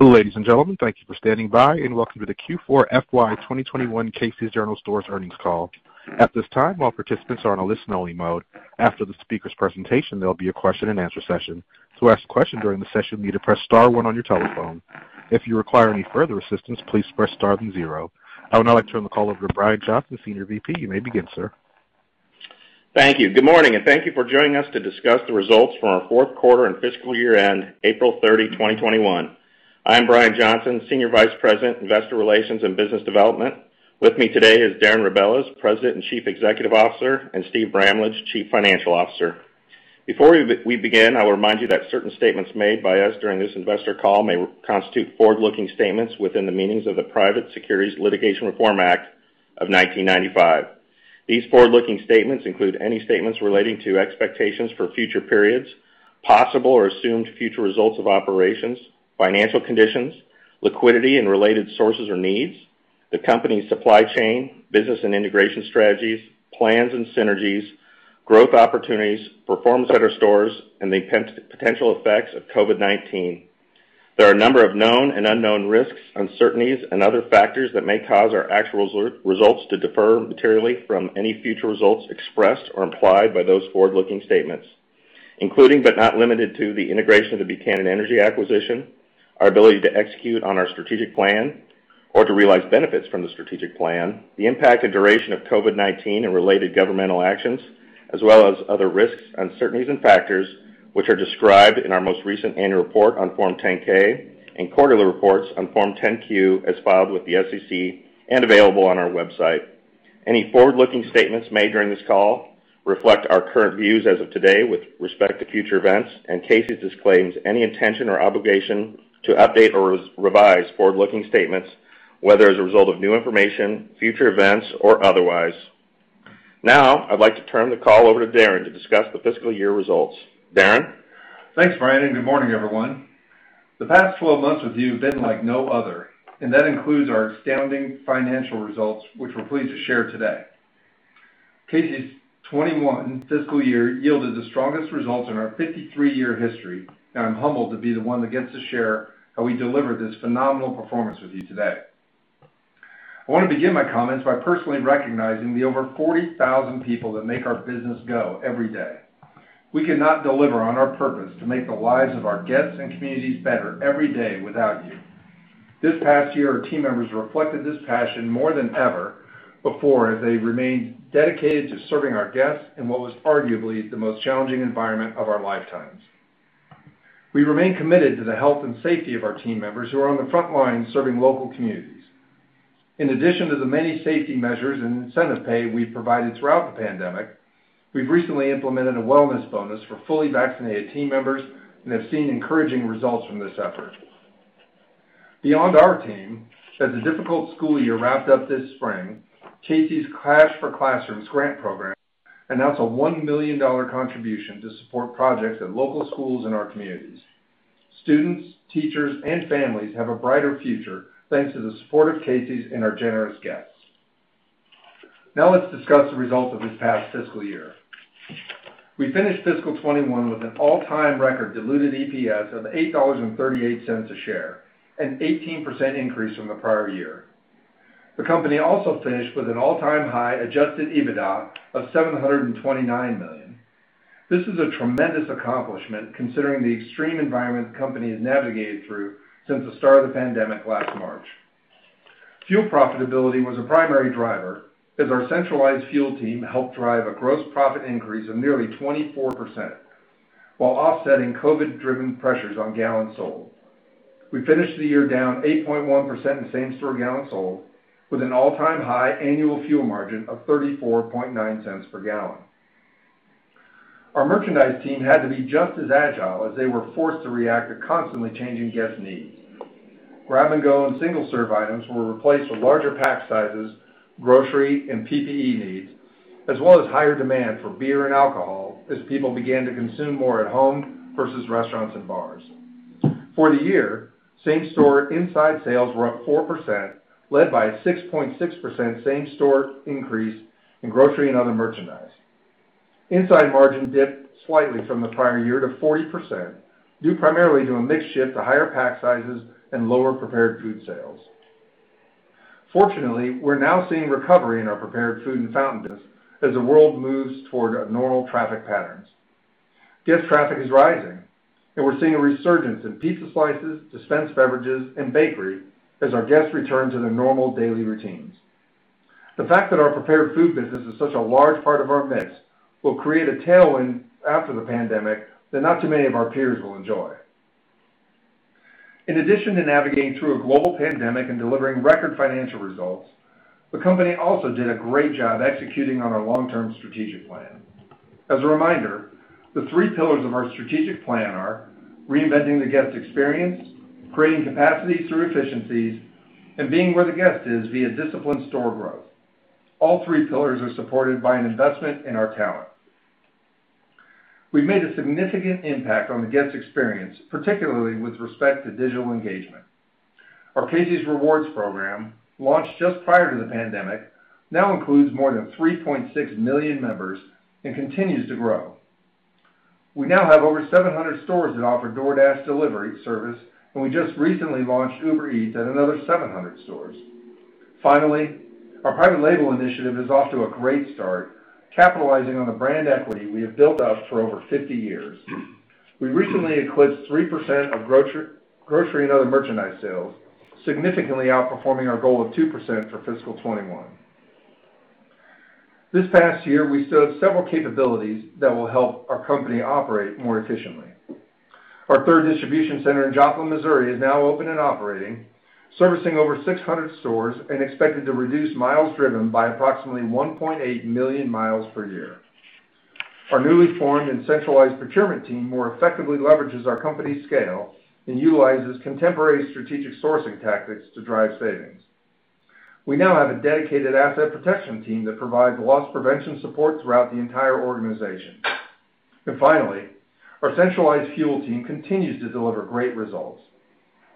Ladies and gentlemen, thank you for standing by and welcome to the Q4 FY 2021 Casey's General Stores earnings call. At this time, all participants are in listen only mode. After the speakers' presentation, there'll be a question-and-answer session. To ask a question during the session, you may press star and one on your telephone. If you require any further assistance, you may press star and zero. I would now like to turn the call over to Brian Johnson, Senior VP. You may begin, sir. Thank you. Good morning, and thank you for joining us to discuss the results for our fourth quarter and fiscal year end, April 30, 2021. I am Brian Johnson, Senior Vice President, Investor Relations and Business Development. With me today is Darren Rebelez, President and Chief Executive Officer, and Steve Bramlage, Chief Financial Officer. Before we begin, I'll remind you that certain statements made by us during this investor call may constitute forward-looking statements within the meanings of the Private Securities Litigation Reform Act of 1995. These forward-looking statements include any statements relating to expectations for future periods, possible or assumed future results of operations, financial conditions, liquidity and related sources or needs, the company's supply chain, business and integration strategies, plans and synergies, growth opportunities, performance at our stores, and the potential effects of COVID-19. There are a number of known and unknown risks, uncertainties, and other factors that may cause our actual results to differ materially from any future results expressed or implied by those forward-looking statements, including but not limited to the integration of the Buchanan Energy acquisition, our ability to execute on our strategic plan or to realize benefits from the strategic plan, the impact and duration of COVID-19 and related governmental actions, as well as other risks, uncertainties and factors which are described in our most recent annual report on Form 10-K and quarterly reports on Form 10-Q as filed with the SEC and available on our website. Any forward-looking statements made during this call reflect our current views as of today with respect to future events and Casey's disclaims any intention or obligation to update or revise forward-looking statements, whether as a result of new information, future events, or otherwise. I'd like to turn the call over to Darren to discuss the fiscal year results. Darren? Thanks, Brian. Good morning, everyone. The past 12 months with you have been like no other, and that includes our outstanding financial results, which we're pleased to share today. Casey's' 2021 fiscal year yielded the strongest results in our 53-year history, and I'm humbled to be the one that gets to share how we delivered this phenomenal performance with you today. I want to begin my comments by personally recognizing the over 40,000 people that make our business go every day. We cannot deliver on our purpose to make the lives of our guests and communities better every day without you. This past year, our team members reflected this passion more than ever before as they remained dedicated to serving our guests in what was arguably the most challenging environment of our lifetimes. We remain committed to the health and safety of our team members who are on the front lines serving local communities. In addition to the many safety measures and incentive pay we've provided throughout the pandemic, we've recently implemented a wellness bonus for fully vaccinated team members and have seen encouraging results from this effort. Beyond our team, as the difficult school year wrapped up this spring, Casey's Cash for Classrooms grant program announced a $1 million contribution to support projects at local schools in our communities. Students, teachers, and families have a brighter future thanks to the support of Casey's and our generous guests. Let's discuss the results of this past fiscal year. We finished fiscal 2021 with an all-time record diluted EPS of $8.38 a share, an 18% increase from the prior year. The company also finished with an all-time high adjusted EBITDA of $729 million. This is a tremendous accomplishment considering the extreme environment the company has navigated through since the start of the pandemic last March. Fuel profitability was a primary driver, as our centralized fuel team helped drive a gross profit increase of nearly 24%, while offsetting COVID-19-driven pressures on gallons sold. We finished the year down 8.1% in same-store gallons sold, with an all-time high annual fuel margin of $0.349 per gallon. Our merchandise team had to be just as agile as they were forced to react to constantly changing guest needs. Grab & Go and single-serve items were replaced with larger pack sizes, grocery, and PPE needs, as well as higher demand for beer and alcohol as people began to consume more at home versus restaurants and bars. For the year, same-store inside sales were up 4%, led by a 6.6% same-store increase in grocery and other merchandise. Inside margin dipped slightly from the prior year to 40%, due primarily to a mix shift to higher pack sizes and lower prepared food sales. Fortunately, we're now seeing recovery in our prepared food and fountains as the world moves toward normal traffic patterns. Guest traffic is rising, and we're seeing a resurgence in pizza slices, dispensed beverages, and bakery as our guests return to their normal daily routines. The fact that our prepared food business is such a large part of our mix will create a tailwind after the pandemic that not too many of our peers will enjoy. In addition to navigating through a global pandemic and delivering record financial results, the company also did a great job executing on our long-term strategic plan. As a reminder, the three pillars of our strategic plan are reinventing the guest experience, creating capacity through efficiencies, and being where the guest is via disciplined store growth. All three pillars are supported by an investment in our talent. We've made a significant impact on the guest experience, particularly with respect to digital engagement. Our Casey's Rewards program, launched just prior to the pandemic, now includes more than 3.6 million members and continues to grow. We now have over 700 stores that offer DoorDash delivery service, and we just recently launched Uber Eats at another 700 stores. Finally, our private label initiative is off to a great start, capitalizing on the brand equity we have built up for over 50 years. We recently eclipsed 3% of grocery and other merchandise sales, significantly outperforming our goal of 2% for fiscal 2021. This past year, we deployed several capabilities that will help our company operate more efficiently. Our third distribution center in Joplin, Missouri, is now open and operating, servicing over 600 stores and expected to reduce miles driven by approximately 1.8 million miles per year. Our newly formed and centralized procurement team more effectively leverages our company's scale and utilizes contemporary strategic sourcing tactics to drive savings. We now have a dedicated asset protection team that provides loss prevention support throughout the entire organization. Finally, our centralized fuel team continues to deliver great results.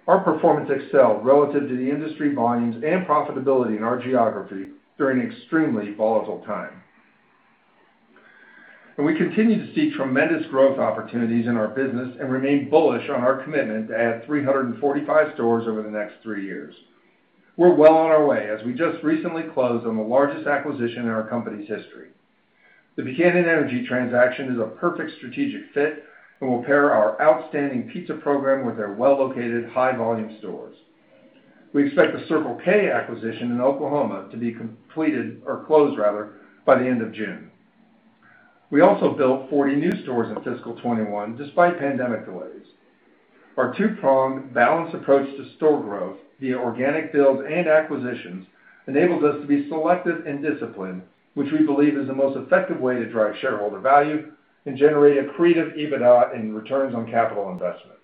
Our performance excelled relative to the industry volumes and profitability in our geography during an extremely volatile time. We continue to see tremendous growth opportunities in our business and remain bullish on our commitment to add 345 stores over the next three years. We're well on our way, as we just recently closed on the largest acquisition in our company's history. The Buchanan Energy transaction is a perfect strategic fit and will pair our outstanding pizza program with their well-located, high-volume stores. We expect the Circle K acquisition in Oklahoma to be closed by the end of June. We also built 40 new stores in fiscal 2021, despite pandemic delays. Our two-pronged, balanced approach to store growth, via organic build and acquisitions, enables us to be selective and disciplined, which we believe is the most effective way to drive shareholder value and generate accretive EBITDA and returns on capital investment.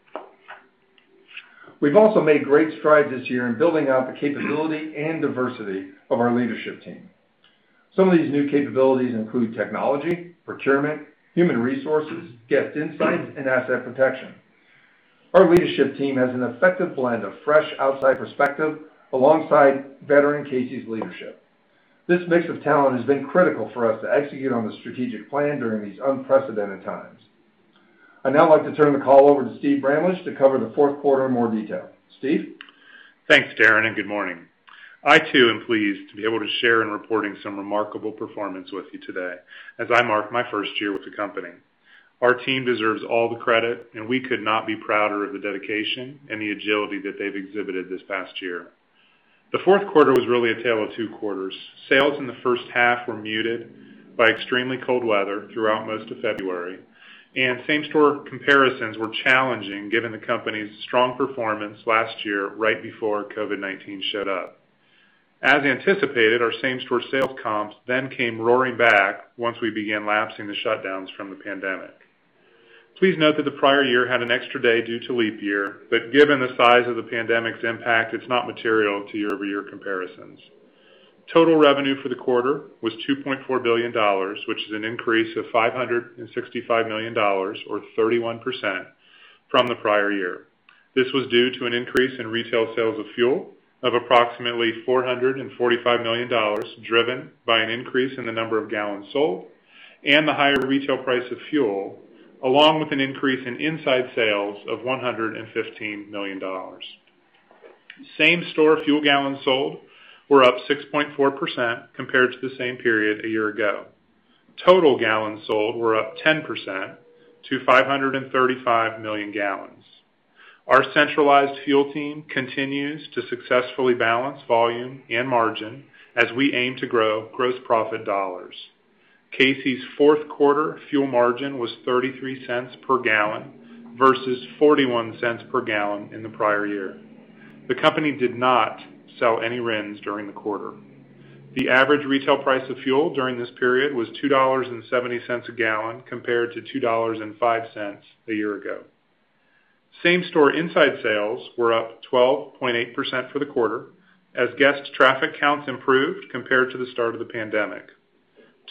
We've also made great strides this year in building out the capability and diversity of our leadership team. Some of these new capabilities include technology, procurement, human resources, guest insights, and asset protection. Our leadership team has an effective blend of fresh outside perspective alongside veteran Casey's leadership. This mix of talent has been critical for us to execute on the strategic plan during these unprecedented times. I'd now like to turn the call over to Steve Bramlage to cover the fourth quarter in more detail. Steve? Thanks, Darren. Good morning. I, too, am pleased to be able to share in reporting some remarkable performance with you today as I mark my first year with the company. Our team deserves all the credit, and we could not be prouder of the dedication and the agility that they've exhibited this past year. The fourth quarter was really a tale of two quarters. Sales in the first half were muted by extremely cold weather throughout most of February, and same-store comparisons were challenging given the company's strong performance last year right before COVID-19 showed up. As anticipated, our same-store sales comps came roaring back once we began lapsing the shutdowns from the pandemic. Please note that the prior year had an extra day due to leap year, but given the size of the pandemic's impact, it's not material to year-over-year comparisons. Total revenue for the quarter was $2.4 billion, which is an increase of $565 million, or 31%, from the prior year. This was due to an increase in retail sales of fuel of approximately $445 million, driven by an increase in the number of gallons sold and the higher retail price of fuel, along with an increase in inside sales of $115 million. Same-store fuel gallons sold were up 6.4% compared to the same period a year ago. Total gallons sold were up 10% to 535 million gallons. Our centralized fuel team continues to successfully balance volume and margin as we aim to grow gross profit dollars. Casey's fourth quarter fuel margin was $0.33 per gallon versus $0.41 per gallon in the prior year. The company did not sell any RINs during the quarter. The average retail price of fuel during this period was $2.70 a gallon, compared to $2.05 a year ago. Same-store inside sales were up 12.8% for the quarter, as guest traffic counts improved compared to the start of the pandemic.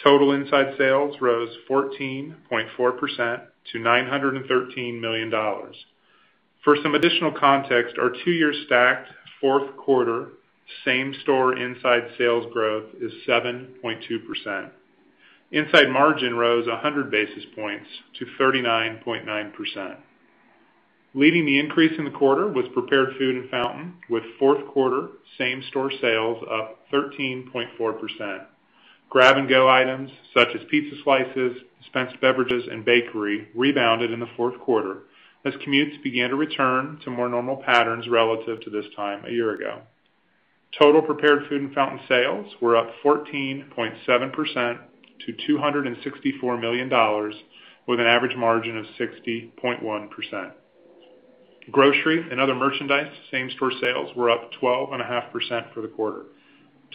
Total inside sales rose 14.4% to $913 million. For some additional context, our two-year stacked fourth quarter same-store inside sales growth is 7.2%. Inside margin rose 100 basis points to 39.9%. Leading the increase in the quarter was prepared food and fountain, with fourth quarter same-store sales up 13.4%. Grab & Go items such as pizza slices, dispensed beverages, and bakery rebounded in the fourth quarter as commutes began to return to more normal patterns relative to this time a year ago. Total prepared food and fountain sales were up 14.7% to $264 million, with an average margin of 60.1%. Grocery and other merchandise same-store sales were up 12.5% for the quarter.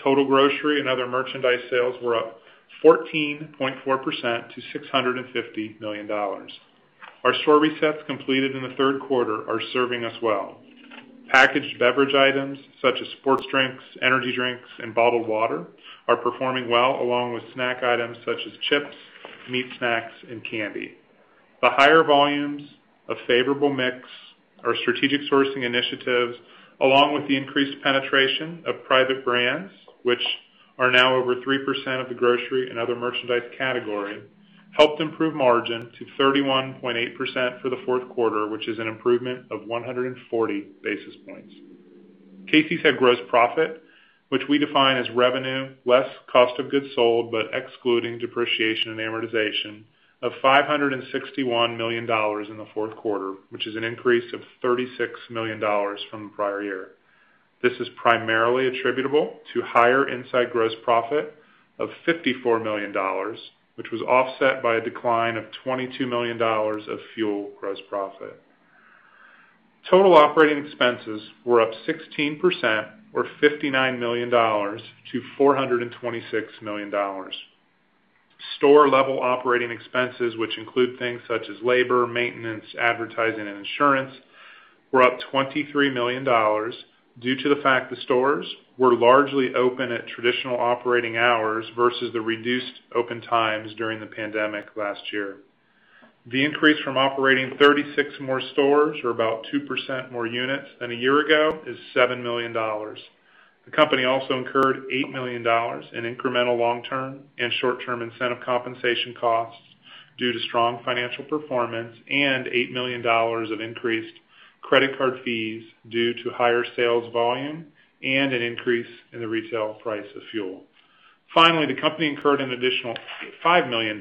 Total grocery and other merchandise sales were up 14.4% to $650 million. Our store resets completed in the third quarter are serving us well. Packaged beverage items such as sports drinks, energy drinks, and bottled water are performing well, along with snack items such as chips, meat snacks, and candy. The higher volumes of favorable mix, our strategic sourcing initiatives, along with the increased penetration of private brands, which are now over 3% of the grocery and other merchandise category, helped improve margin to 31.8% for the fourth quarter, which is an improvement of 140 basis points. Casey's had gross profit, which we define as revenue less cost of goods sold, but excluding depreciation and amortization, of $561 million in the fourth quarter, which is an increase of $36 million from the prior year. This is primarily attributable to higher inside gross profit of $54 million, which was offset by a decline of $22 million of fuel gross profit. Total operating expenses were up 16%, or $59 million to $426 million. Store-level operating expenses, which include things such as labor, maintenance, advertising, and insurance, were up $23 million due to the fact the stores were largely open at traditional operating hours versus the reduced open times during the pandemic last year. The increase from operating 36 more stores, or about 2% more units than a year ago, is $7 million. The company also incurred $8 million in incremental long-term and short-term incentive compensation costs due to strong financial performance and $8 million of increased credit card fees due to higher sales volume and an increase in the retail price of fuel. The company incurred an additional $5 million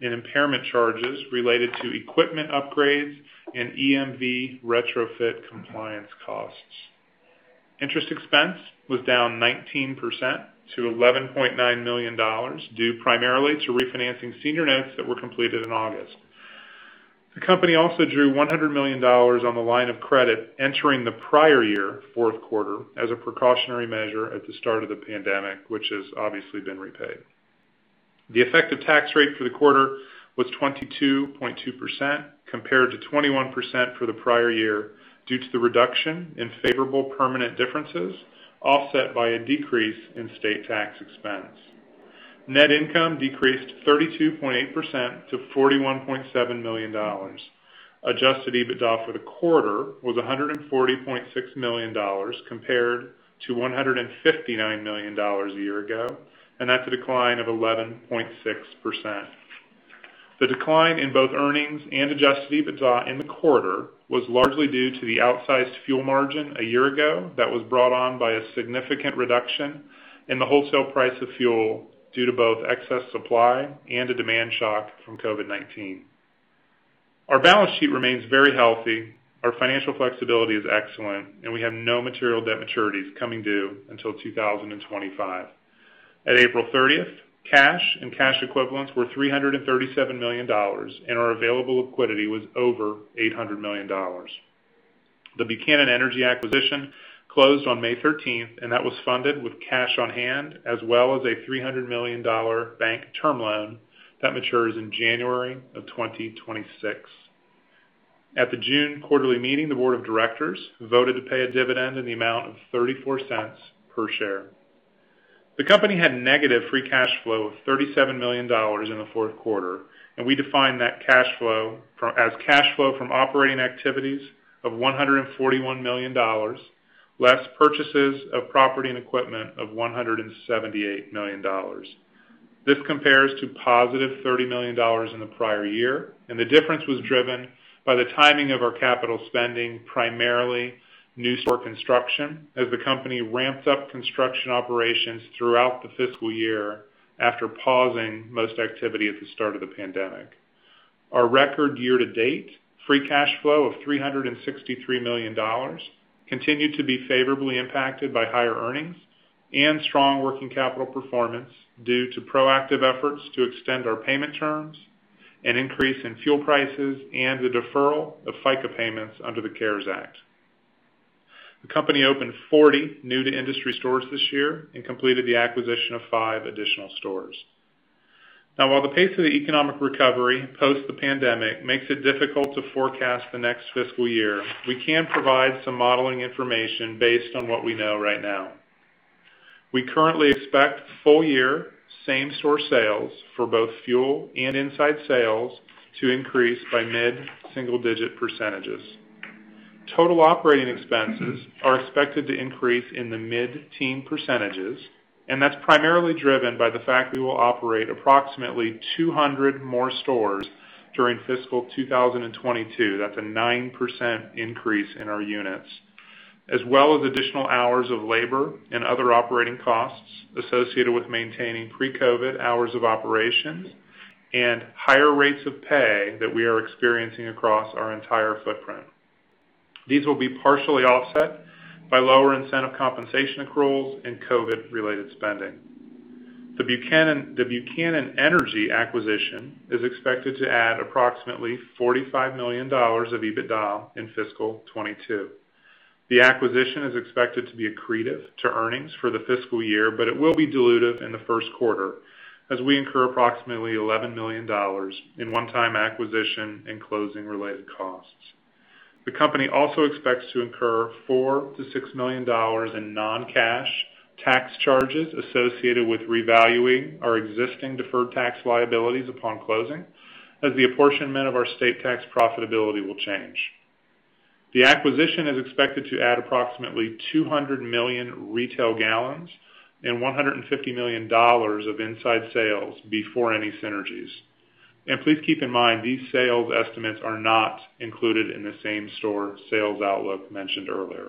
in impairment charges related to equipment upgrades and EMV retrofit compliance costs. Interest expense was down 19% to $11.9 million, due primarily to refinancing senior notes that were completed in August. The company also drew $100 million on the line of credit entering the prior year, fourth quarter, as a precautionary measure at the start of the pandemic, which has obviously been repaid. The effective tax rate for the quarter was 22.2%, compared to 21% for the prior year, due to the reduction in favorable permanent differences, offset by a decrease in state tax expense. Net income decreased 32.8% to $41.7 million. Adjusted EBITDA for the quarter was $140.6 million compared to $159 million a year ago. That's a decline of 11.6%. The decline in both earnings and adjusted EBITDA in the quarter was largely due to the outsized fuel margin a year ago that was brought on by a significant reduction in the wholesale price of fuel due to both excess supply and a demand shock from COVID-19. Our balance sheet remains very healthy. Our financial flexibility is excellent, and we have no material debt maturities coming due until 2025. At April 30th, cash and cash equivalents were $337 million, and our available liquidity was over $800 million. The Buchanan Energy acquisition closed on May 13th, and that was funded with cash on hand, as well as a $300 million bank term loan that matures in January of 2026. At the June quarterly meeting, the board of directors voted to pay a dividend in the amount of $0.34 per share. The company had negative free cash flow of $37 million in the fourth quarter. We define that cash flow as cash flow from operating activities of $141 million, less purchases of property and equipment of $178 million. This compares to positive $30 million in the prior year. The difference was driven by the timing of our capital spending, primarily new store construction as the company ramps up construction operations throughout the fiscal year after pausing most activity at the start of the pandemic. Our record year-to-date free cash flow of $363 million continued to be favorably impacted by higher earnings and strong working capital performance due to proactive efforts to extend our payment terms, an increase in fuel prices, and the deferral of FICA payments under the CARES Act. The company opened 40 new-to-industry stores this year and completed the acquisition of five additional stores. Now, while the pace of the economic recovery post the pandemic makes it difficult to forecast the next fiscal year, we can provide some modeling information based on what we know right now. We currently expect full year same store sales for both fuel and inside sales to increase by mid-single digit percentages. Total operating expenses are expected to increase in the mid-teen percentages, and that's primarily driven by the fact we will operate approximately 200 more stores during fiscal 2022. That's a 9% increase in our units, as well as additional hours of labor and other operating costs associated with maintaining pre-COVID hours of operation and higher rates of pay that we are experiencing across our entire footprint. These will be partially offset by lower incentive compensation accruals and COVID-related spending. The Buchanan Energy acquisition is expected to add approximately $45 million of EBITDA in fiscal 2022. The acquisition is expected to be accretive to earnings for the fiscal year, but it will be dilutive in the first quarter as we incur approximately $11 million in one-time acquisition and closing related costs. The company also expects to incur $4 million-$6 million in non-cash tax charges associated with revaluing our existing deferred tax liabilities upon closing, as the apportionment of our state tax profitability will change. The acquisition is expected to add approximately 200 million retail gallons and $150 million of inside sales before any synergies. Please keep in mind, these sales estimates are not included in the same-store sales outlook mentioned earlier.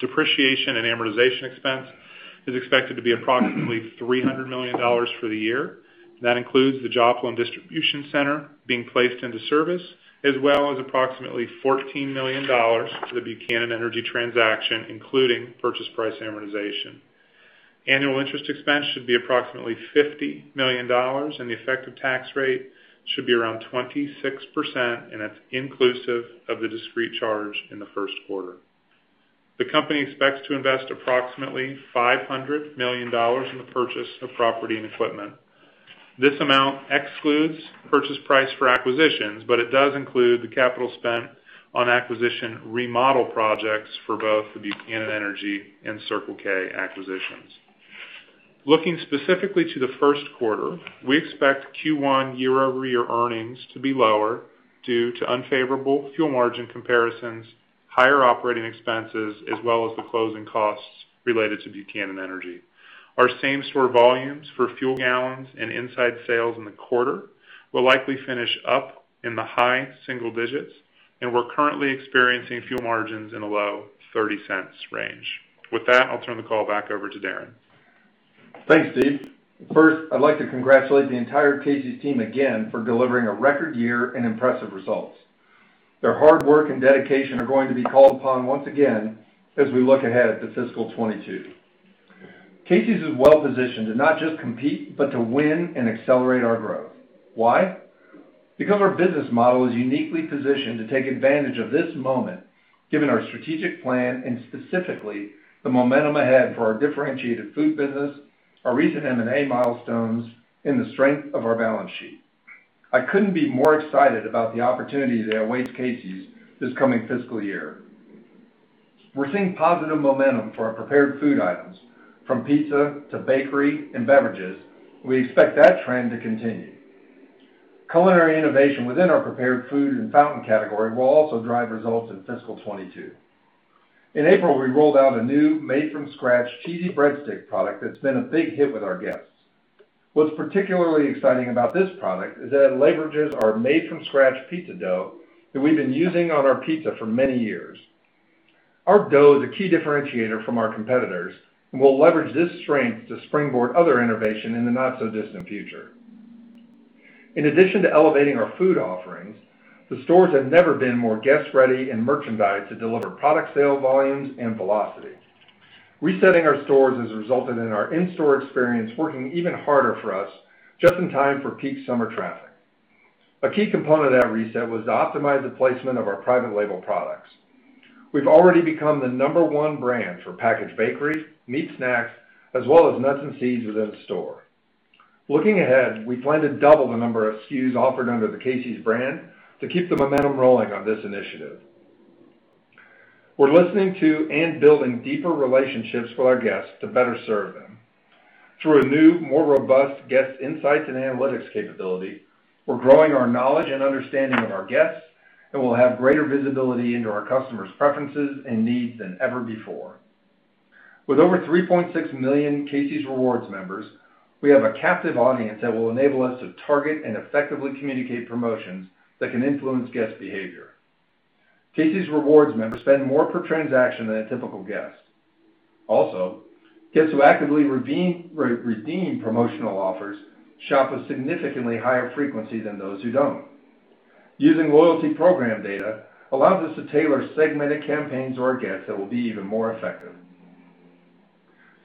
Depreciation and amortization expense is expected to be approximately $300 million for the year, and that includes the Joplin Distribution Center being placed into service, as well as approximately $14 million for the Buchanan Energy transaction, including purchase price amortization. Annual interest expense should be approximately $50 million, the effective tax rate should be around 26%, it's inclusive of the discrete charge in the first quarter. The company expects to invest approximately $500 million in the purchase of property and equipment. This amount excludes purchase price for acquisitions, it does include the capital spent on acquisition remodel projects for both the Buchanan Energy and Circle K acquisitions. Looking specifically to the first quarter, we expect Q1 year-over-year earnings to be lower due to unfavorable fuel margin comparisons, higher operating expenses, as well as the closing costs related to Buchanan Energy. Our same-store volumes for fuel gallons and inside sales in the quarter will likely finish up in the high single digits, we're currently experiencing fuel margins in a low $0.30 range. With that, I'll turn the call back over to Darren. Thanks, Steve. First, I'd like to congratulate the entire Casey's team again for delivering a record year and impressive results. Their hard work and dedication are going to be called upon once again as we look ahead to fiscal 2022. Casey's is well-positioned to not just compete, but to win and accelerate our growth. Why? Because our business model is uniquely positioned to take advantage of this moment given our strategic plan and specifically the momentum ahead for our differentiated food business, our recent M&A milestones, and the strength of our balance sheet. I couldn't be more excited about the opportunities that await Casey's this coming fiscal year. We're seeing positive momentum for our prepared food items, from pizza to bakery and beverages. We expect that trend to continue. Culinary innovation within our prepared food and fountain category will also drive results in fiscal 2022. In April, we rolled out a new made-from-scratch cheesy breadstick product that's been a big hit with our guests. What's particularly exciting about this product is that it leverages our made-from-scratch pizza dough that we've been using on our pizza for many years. Our dough is a key differentiator from our competitors, we'll leverage this strength to springboard other innovation in the not-so-distant future. In addition to elevating our food offerings, the stores have never been more guest-ready and merchandised to deliver product sale volumes and velocity. Resetting our stores has resulted in our in-store experience working even harder for us just in time for peak summer traffic. A key component of that reset was to optimize the placement of our private label products. We've already become the number one brand for packaged bakery, meat snacks, as well as nuts and seeds within the store. Looking ahead, we plan to double the number of SKUs offered under the Casey's brand to keep the momentum rolling on this initiative. We're listening to and building deeper relationships with our guests to better serve them. Through a new, more robust guest insights and analytics capability, we're growing our knowledge and understanding of our guests, and we'll have greater visibility into our customers' preferences and needs than ever before. With over 3.6 million Casey's Rewards members, we have a captive audience that will enable us to target and effectively communicate promotions that can influence guest behavior. Casey's Rewards members spend more per transaction than a typical guest. Also, guests who actively redeem promotional offers shop with significantly higher frequency than those who don't. Using loyalty program data allows us to tailor segmented campaigns to our guests that will be even more effective.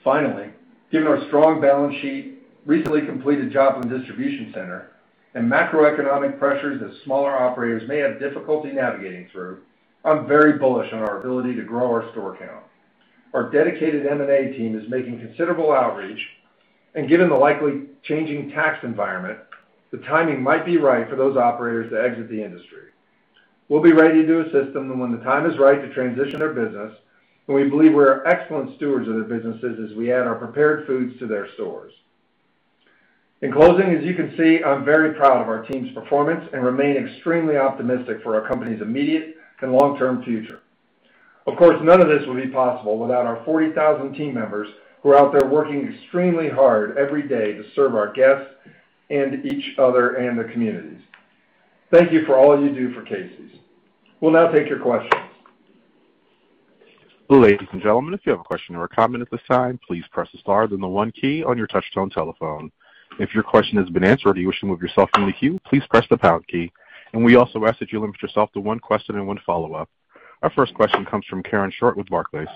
Finally, given our strong balance sheet, recently completed Joplin Distribution Center, and macroeconomic pressures that smaller operators may have difficulty navigating through, I'm very bullish on our ability to grow our store count. Our dedicated M&A team is making considerable outreach, and given the likely changing tax environment, the timing might be right for those operators to exit the industry. We'll be ready to assist them when the time is right to transition their business, and we believe we are excellent stewards of their businesses as we add our prepared foods to their stores. In closing, as you can see, I'm very proud of our team's performance and remain extremely optimistic for our company's immediate and long-term future. Of course, none of this would be possible without our 40,000 team members who are out there working extremely hard every day to serve our guests and each other and their communities. Thank you for all you do for Casey's. We'll now take your questions. Ladies and gentlemen, if you have a question or a comment at this time, please press the star then the one key on your touchtone telephone. If your question has been answered or you wish to remove yourself from the queue, please press the pound key. We also ask that you limit yourself to one question and one follow-up. Our first question comes from Karen Short with Barclays.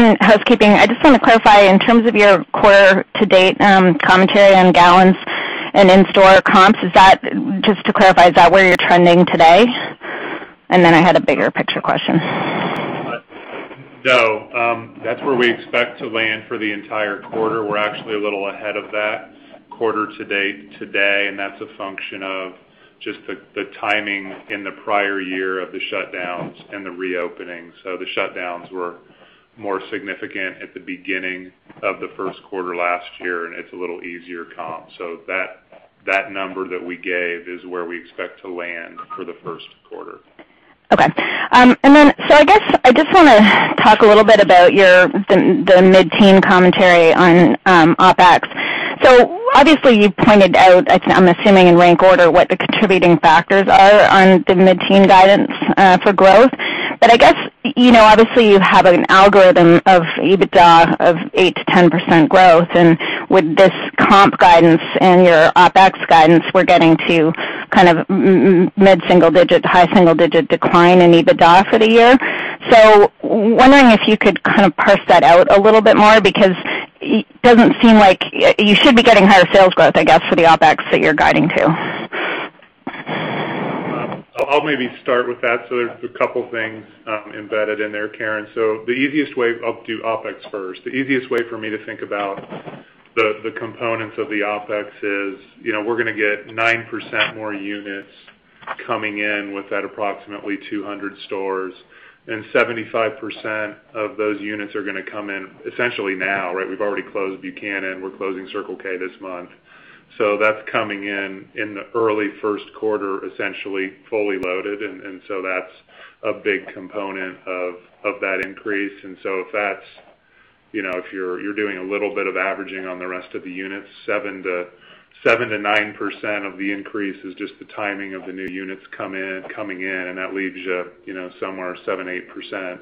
Housekeeping. I just want to clarify in terms of your quarter to date commentary on gallons and in-store comps, just to clarify, is that where you're trending today? I had a bigger picture question. No, that's where we expect to land for the entire quarter. We're actually a little ahead of that quarter to date today, that's a function of just the timing in the prior year of the shutdowns and the reopening. The shutdowns were more significant at the beginning of the first quarter last year, and it's a little easier comp. That number that we gave is where we expect to land for the first quarter. Okay. I guess I just want to talk a little bit about the mid-teen commentary on OpEx. Obviously you've pointed out, I'm assuming in rank order, what the contributing factors are on the mid-teen guidance for growth. I guess, obviously you have an algorithm of EBITDA of 8%-10% growth, and with this comp guidance and your OpEx guidance, we're getting to mid-single digit, high single digit decline in EBITDA for the year. Wondering if you could kind of parse that out a little bit more because it doesn't seem like you should be getting higher sales growth, I guess, with the OpEx that you're guiding to. I'll maybe start with that. There's a couple of things embedded in there, Karen. I'll do OpEx first. The easiest way for me to think about the components of the OpEx is, we're going to get 9% more units coming in with that approximately 200 stores, and 75% of those units are going to come in essentially now. We've already closed Buchanan. We're closing Circle K this month. That's coming in the early first quarter, essentially fully loaded, and that's a big component of that increase. If you're doing a little bit of averaging on the rest of the units, 7%-9% of the increase is just the timing of the new units coming in. That leaves you somewhere 7%, 8%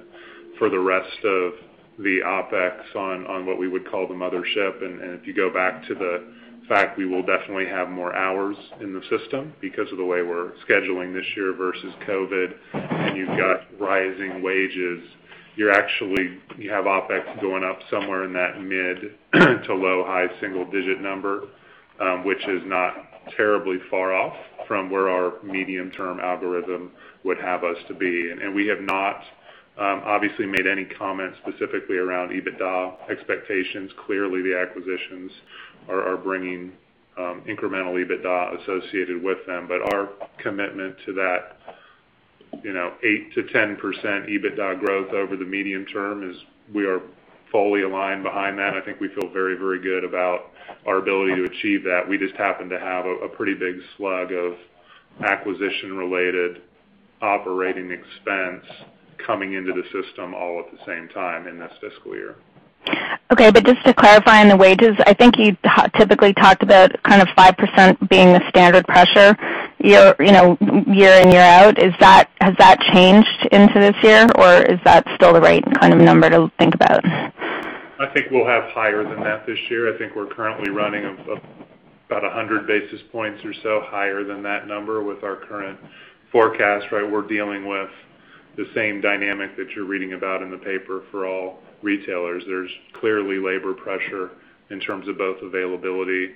for the rest of the OpEx on what we would call the mothership. If you go back to the fact we will definitely have more hours in the system because of the way we're scheduling this year versus COVID, you've got rising wages. You have OpEx going up somewhere in that mid to low high single digit number, which is not terribly far off from where our medium term algorithm would have us to be. We have not obviously made any comments specifically around EBITDA expectations. Clearly, the acquisitions are bringing incremental EBITDA associated with them. Our commitment to that 8%-10% EBITDA growth over the medium term is we are fully aligned behind that. I think we feel very, very good about our ability to achieve that. We just happen to have a pretty big slug of acquisition related operating expense coming into the system all at the same time in this fiscal year. Okay. Just to clarify on the wages, I think you typically talked about 5% being the standard pressure year in, year out. Has that changed into this year, or is that still the right kind of number to think about? I think we'll have higher than that this year. I think we're currently running about 100 basis points or so higher than that number with our current forecast. We're dealing with the same dynamic that you're reading about in the paper for all retailers. There's clearly labor pressure in terms of both availability and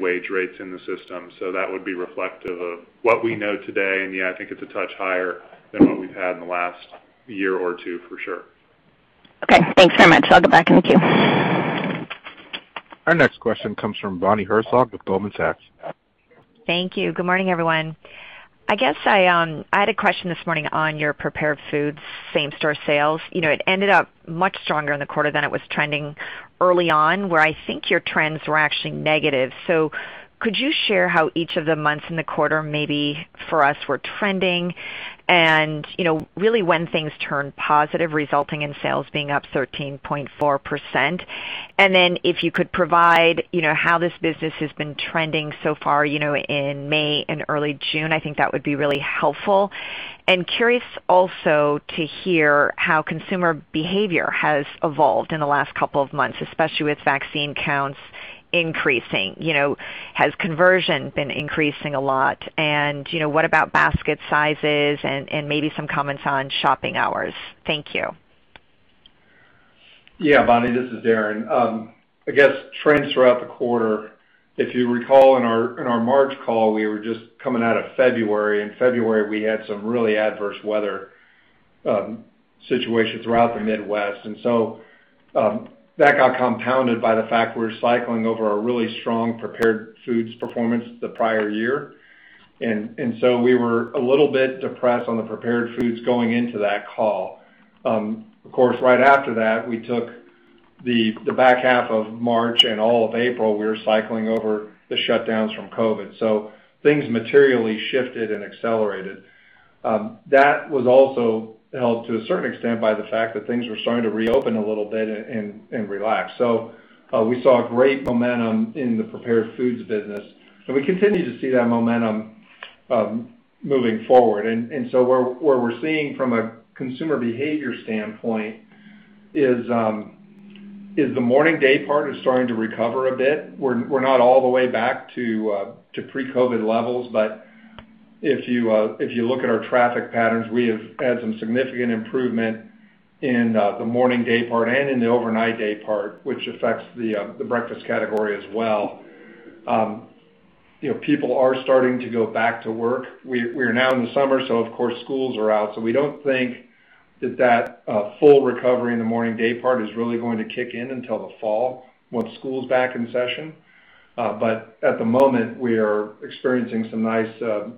wage rates in the system. That would be reflective of what we know today, and yeah, I think it's a touch higher than what we've had in the last year or two for sure. Okay. Thanks so much. Talk to you about it. Thank you. Our next question comes from Bonnie Herzog with Goldman Sachs. Thank you. Good morning, everyone. I guess I had a question this morning on your prepared foods same-store sales. It ended up much stronger in the quarter than it was trending early on, where I think your trends were actually negative. Could you share how each of the months in the quarter maybe for us were trending and really when things turned positive resulting in sales being up 13.4%? If you could provide how this business has been trending so far in May and early June, I think that would be really helpful. Curious also to hear how consumer behavior has evolved in the last couple of months, especially with vaccine counts increasing. Has conversion been increasing a lot? What about basket sizes and maybe some comments on shopping hours? Thank you. Bonnie, this is Darren. I guess trends throughout the quarter, if you recall in our March call, we were just coming out of February. In February, we had some really adverse weather situations throughout the Midwest. That got compounded by the fact we were cycling over a really strong prepared foods performance the prior year. We were a little bit depressed on the prepared foods going into that call. Of course, right after that, we took the back half of March and all of April, we were cycling over the shutdowns from COVID. Things materially shifted and accelerated. That was also helped to a certain extent by the fact that things were starting to reopen a little bit and relax. We saw great momentum in the prepared foods business, and we continue to see that momentum moving forward. What we're seeing from a consumer behavior standpoint is the morning day part is starting to recover a bit. We're not all the way back to pre-COVID levels, but if you look at our traffic patterns, we have had some significant improvement in the morning day part and in the overnight day part, which affects the breakfast category as well. People are starting to go back to work. We're now in the summer, so of course, schools are out. We don't think that full recovery in the morning day part is really going to kick in until the fall when school's back in session. At the moment, we are experiencing some nice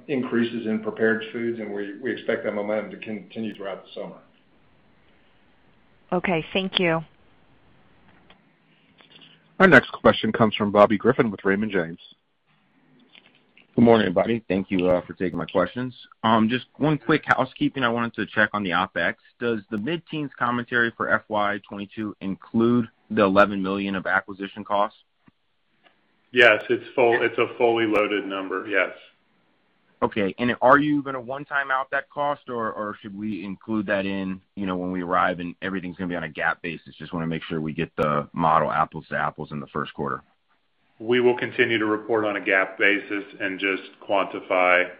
increases in prepared foods, and we expect that momentum to continue throughout the summer. Okay. Thank you. Our next question comes from Bobby Griffin with Raymond James. Good morning, everybody. Thank you for taking my questions. Just one quick housekeeping I wanted to check on the OpEx. Does the mid-teens commentary for FY 2022 include the $11 million of acquisition costs? Yes, it's a fully loaded number. Yes. Okay. Are you going to one time out that cost, or should we include that in when we arrive and everything's going to be on a GAAP basis? Just want to make sure we get the model apples to apples in the first quarter. We will continue to report on a GAAP basis and just quantify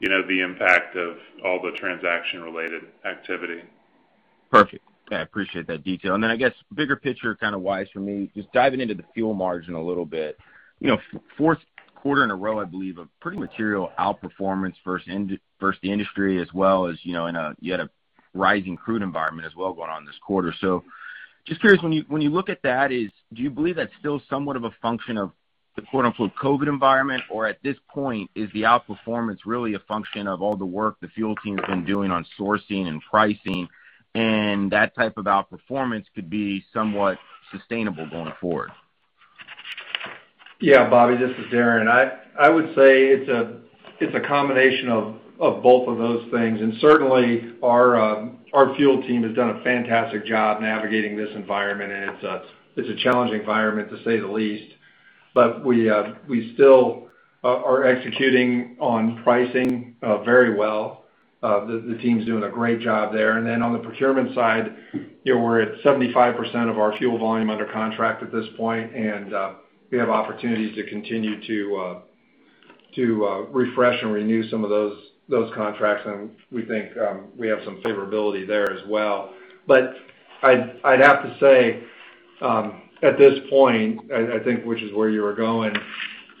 the impact of all the transaction-related activity. Perfect. I appreciate that detail. I guess bigger picture kind of wise for me, just diving into the fuel margin a little bit. Fourth quarter in a row, I believe, a pretty material outperformance versus the industry as well as you had a rising crude environment as well going on this quarter. Just curious, when you look at that, do you believe that's still somewhat of a function of the quote-unquote COVID environment, or at this point, is the outperformance really a function of all the work the fuel team's been doing on sourcing and pricing, and that type of outperformance could be somewhat sustainable going forward? Yeah. Bobby, this is Darren. I would say it's a combination of both of those things. Certainly our fuel team has done a fantastic job navigating this environment, and it's a challenging environment, to say the least. We still are executing on pricing very well. The team's doing a great job there. On the procurement side, we're at 75% of our fuel volume under contract at this point, and we have opportunities to continue to refresh and renew some of those contracts, and we think we have some favorability there as well. I'd have to say, at this point, I think which is where you were going,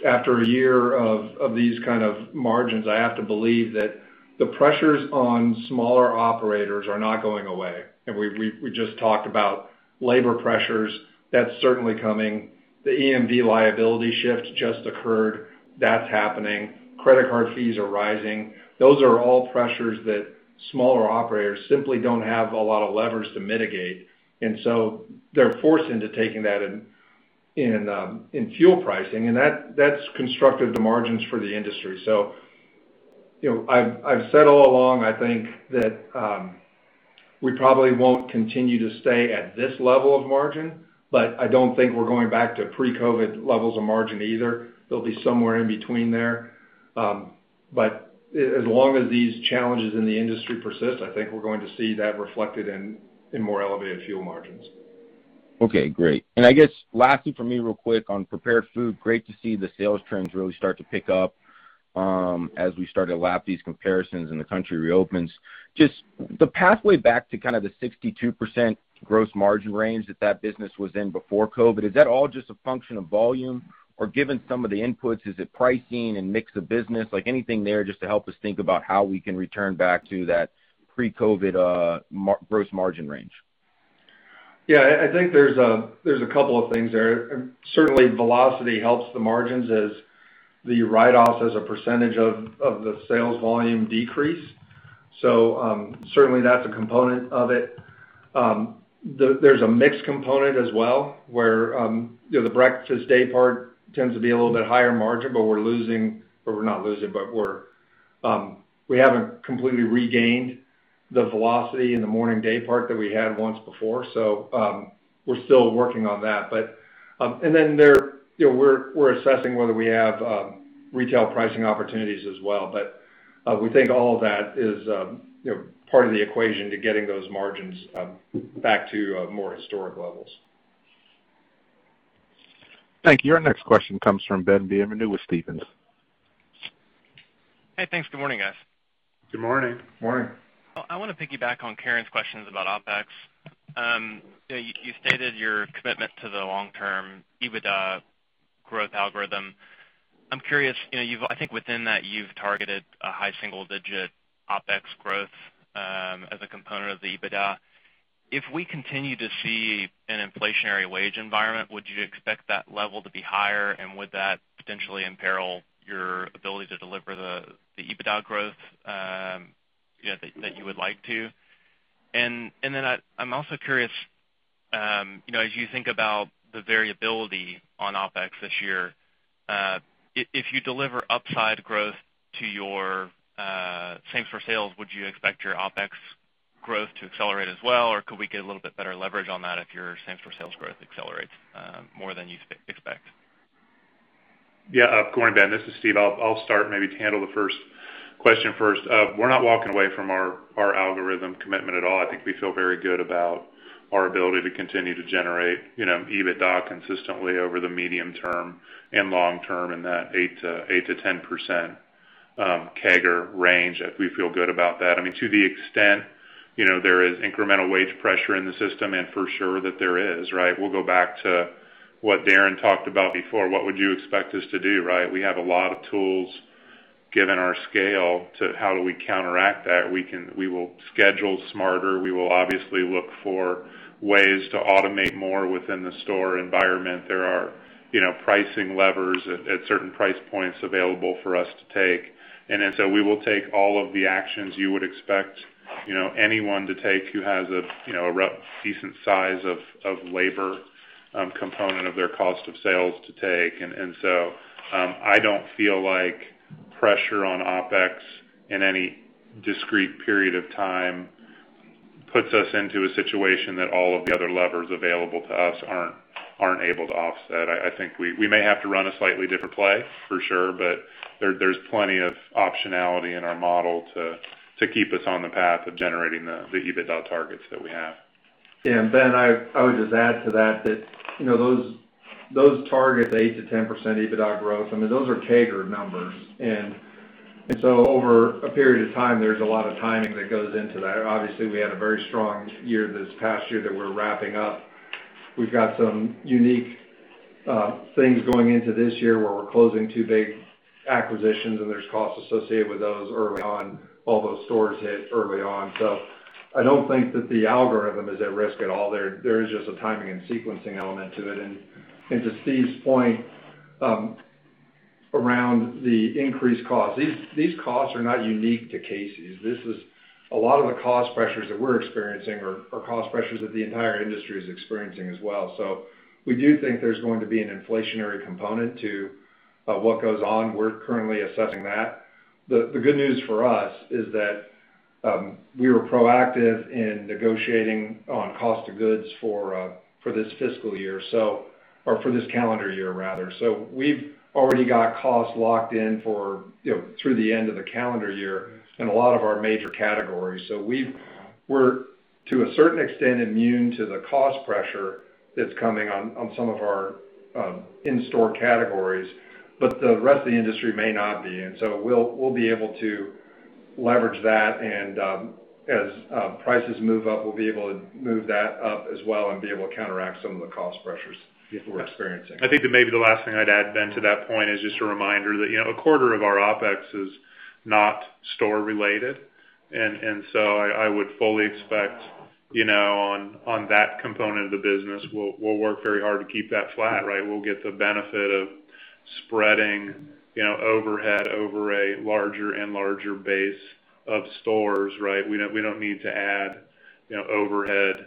after a year of these kind of margins, I have to believe that the pressures on smaller operators are not going away. We just talked about labor pressures. That's certainly coming. The EMV liability shifts just occurred. That's happening. Credit card fees are rising. Those are all pressures that smaller operators simply don't have a lot of leverage to mitigate. They're forced into taking that in fuel pricing, and that's constructive to margins for the industry. I've said all along, I think that we probably won't continue to stay at this level of margin, but I don't think we're going back to pre-COVID-19 levels of margin either. It'll be somewhere in between there. As long as these challenges in the industry persist, I think we're going to see that reflected in more elevated fuel margins. Okay, great. I guess lastly for me real quick on prepared food, great to see the sales trends really start to pick up as we start to lap these comparisons and the country reopens. Just the pathway back to kind of the 62% gross margin range that business was in before COVID, is that all just a function of volume? Given some of the inputs, is it pricing and mix of business, like anything there just to help us think about how we can return back to that pre-COVID gross margin range? Yeah, I think there's a couple of things there. Certainly, velocity helps the margins as the write-offs as a percentages of the sales volume decrease. Certainly, that's a component of it. There's a mix component as well, where the breakfast day part tends to be a little bit higher margin, but we're not losing, but we haven't completely regained the velocity in the morning day part that we had once before. We're still working on that. We're assessing whether we have retail pricing opportunities as well. We think all of that is part of the equation to getting those margins back to more historic levels. Thank you. Our next question comes from Ben Bienvenu with Stephens. Hey, thanks. Good morning, guys. Good morning. Morning. I want to piggyback on Karen's questions about OpEx. You stated your commitment to the long-term EBITDA growth algorithm. I'm curious, I think within that, you've targeted a high single-digit OpEx growth as a component of the EBITDA. If we continue to see an inflationary wage environment, would you expect that level to be higher, and would that potentially imperil your ability to deliver the EBITDA growth that you would like to? I'm also curious, as you think about the variability on OpEx this year, if you deliver upside growth to your same-store sales, would you expect your OpEx growth to accelerate as well, or could we get a little bit better leverage on that if your same-store sales growth accelerates more than you expect? Yeah. Go ahead, Ben. This is Steve. I'll start maybe to handle the first question first. We're not walking away from our algorithm commitment at all. I think we feel very good about our ability to continue to generate EBITDA consistently over the medium term and long term in that 8%-10% CAGR range, we feel good about that. To the extent, there is incremental wage pressure in the system, and for sure that there is, right? We'll go back to what Darren talked about before. What would you expect us to do, right? We have a lot of tools given our scale to how do we counteract that. We will schedule smarter. We will obviously look for ways to automate more within the store environment. There are pricing levers at certain price points available for us to take. We will take all of the actions you would expect anyone to take who has a decent size of labor component of their cost of sales to take. I don't feel like pressure on OpEx in any discrete period of time puts us into a situation that all of the other levers available to us aren't able to offset. I think we may have to run a slightly different play, for sure, but there's plenty of optionality in our model to keep us on the path of generating the EBITDA targets that we have. Ben, I would just add to that, those targets, the 8%-10% EBITDA growth, those are CAGR numbers. Over a period of time, there's a lot of timing that goes into that. Obviously, we had a very strong year this past year that we're wrapping up. We've got some unique things going into this year where we're closing two big acquisitions and there's costs associated with those early on, all those stores hit early on. I don't think that the algorithm is at risk at all. There is just a timing and sequencing element to it. To Steve's point, around the increased cost, these costs are not unique to Casey's. A lot of the cost pressures that we're experiencing are cost pressures that the entire industry is experiencing as well. We do think there's going to be an inflationary component to what goes on. We're currently assessing that. The good news for us is that, we were proactive in negotiating on cost of goods for this fiscal year, or for this calendar year rather. We've already got costs locked in through the end of the calendar year in a lot of our major categories. We're, to a certain extent, immune to the cost pressure that's coming on some of our in-store categories, but the rest of the industry may not be. We'll be able to leverage that and, as prices move up, we'll be able to move that up as well and be able to counteract some of the cost pressures that people are experiencing. I think maybe the last thing I'd add then to that point is just a reminder that a quarter of our OpEx is not store-related. I would fully expect on that component of the business, we'll work very hard to keep that flat, right? We'll get the benefit of spreading overhead over a larger and larger base of stores, right? We don't need to add overhead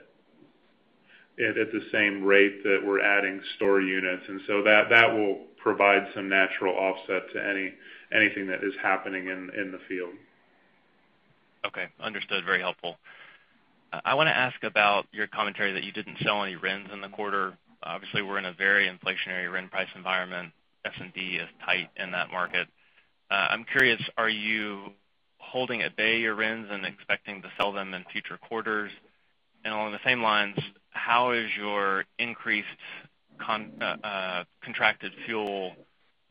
at the same rate that we're adding store units. That will provide some natural offset to anything that is happening in the field. Okay. Understood. Very helpful. I want to ask about your commentary that you didn't sell any RINs in the quarter. Obviously, we're in a very inflationary RIN price environment. S&D is tight in that market. I'm curious, are you holding at bay your RINs and expecting to sell them in future quarters? And along the same lines, how is your increased contracted fuel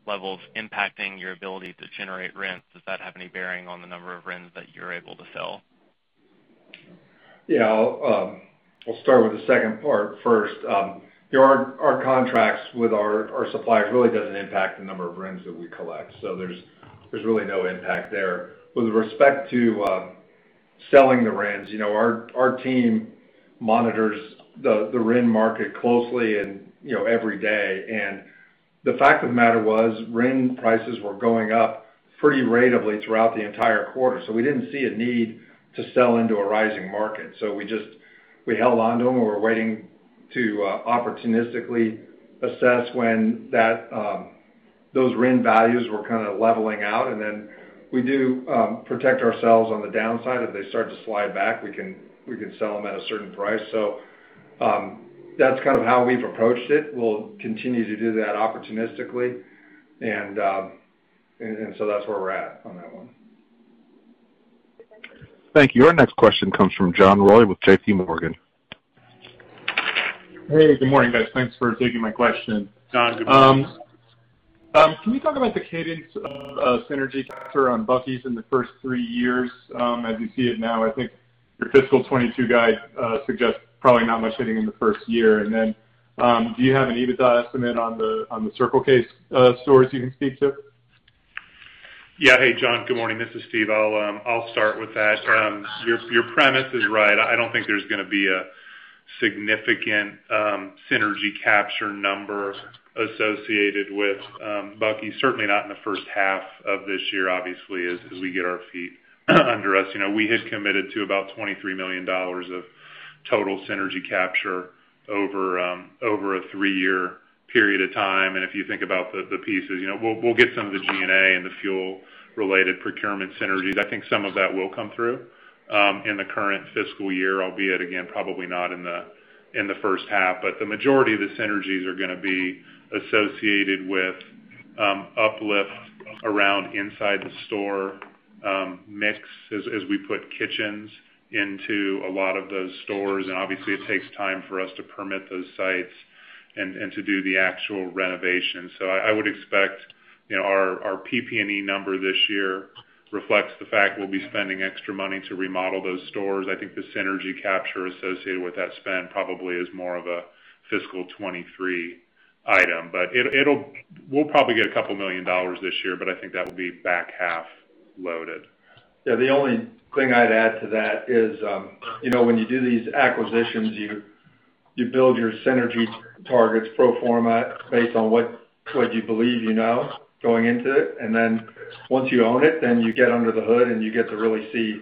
levels impacting your ability to generate RINs? Does that have any bearing on the number of RINs that you're able to sell? Yeah. I'll start with the second part first. Our contracts with our suppliers really doesn't impact the number of RINs that we collect. There's really no impact there. With respect to selling the RINs, our team monitors the RIN market closely every day. The fact of the matter was, RIN prices were going up pretty ratably throughout the entire quarter. We didn't see a need to sell into a rising market. We just held onto them. We're waiting to opportunistically assess when those RIN values were leveling out. We do protect ourselves on the downside. If they start to slide back, we can sell them at a certain price. That's how we've approached it. We'll continue to do that opportunistically. That's where we're at on that one. Thank you. Our next question comes from John Royall with JPMorgan. Hey, good morning, guys. Thanks for taking my question. John, good morning. Can we talk about the cadence of synergy capture on Bucky's in the first three years as you see it now? I think your fiscal 2022 guide suggests probably not much hitting in the first year. Do you have an EBITDA estimate on the Circle K stores you can speak to? Yeah. Hey, John, good morning. This is Steve. I'll start with that. Your premise is right. I don't think there's going to be a significant synergy capture number associated with Bucky's, certainly not in the first half of this year, obviously, as we get our feet under us. We had committed to about $23 million of total synergy capture over a three-year period of time. If you think about the pieces, we'll get some of the G&A and the fuel-related procurement synergies. I think some of that will come through, in the current fiscal year, albeit again, probably not in the first half. The majority of the synergies are going to be associated with uplift around inside the store mix, as we put kitchens into a lot of those stores, and obviously it takes time for us to permit those sites and to do the actual renovation. I would expect our PP&E number this year reflects the fact we'll be spending extra money to remodel those stores. I think the synergy capture associated with that spend probably is more of a fiscal 2023 item. We'll probably get $2 million this year, but I think that'll be back half loaded. The only thing I'd add to that is when you do these acquisitions, you build your synergy targets pro forma based on what you believe you know going into it, and then once you own it, then you get under the hood and you get to really see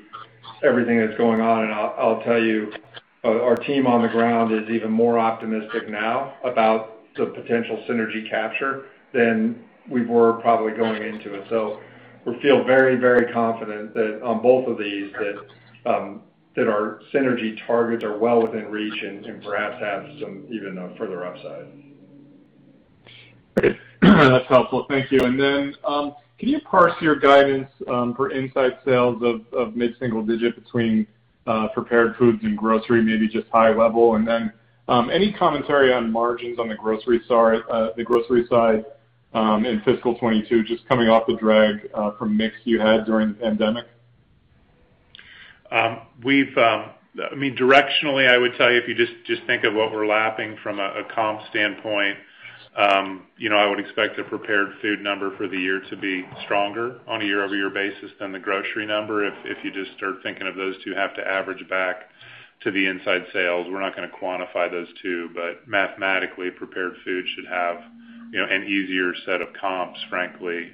everything that's going on. I'll tell you, our team on the ground is even more optimistic now about the potential synergy capture than we were probably going into it. We feel very, very confident that on both of these, that our synergy targets are well within reach and perhaps have some even further upside. Great. That's helpful. Thank you. Can you parse your guidance for inside sales of mid-single-digit between prepared foods and grocery, maybe just high level? Any commentary on margins on the grocery side in FY 2022, just coming off the drag from mix you had during the COVID-19 pandemic? Directionally, I would tell you, if you just think of what we're lapping from a comp standpoint, I would expect the prepared food number for the year to be stronger on a year-over-year basis than the grocery number. If you just start thinking of those two have to average back to the inside sales. We're not going to quantify those two. Mathematically, prepared food should have an easier set of comps, frankly,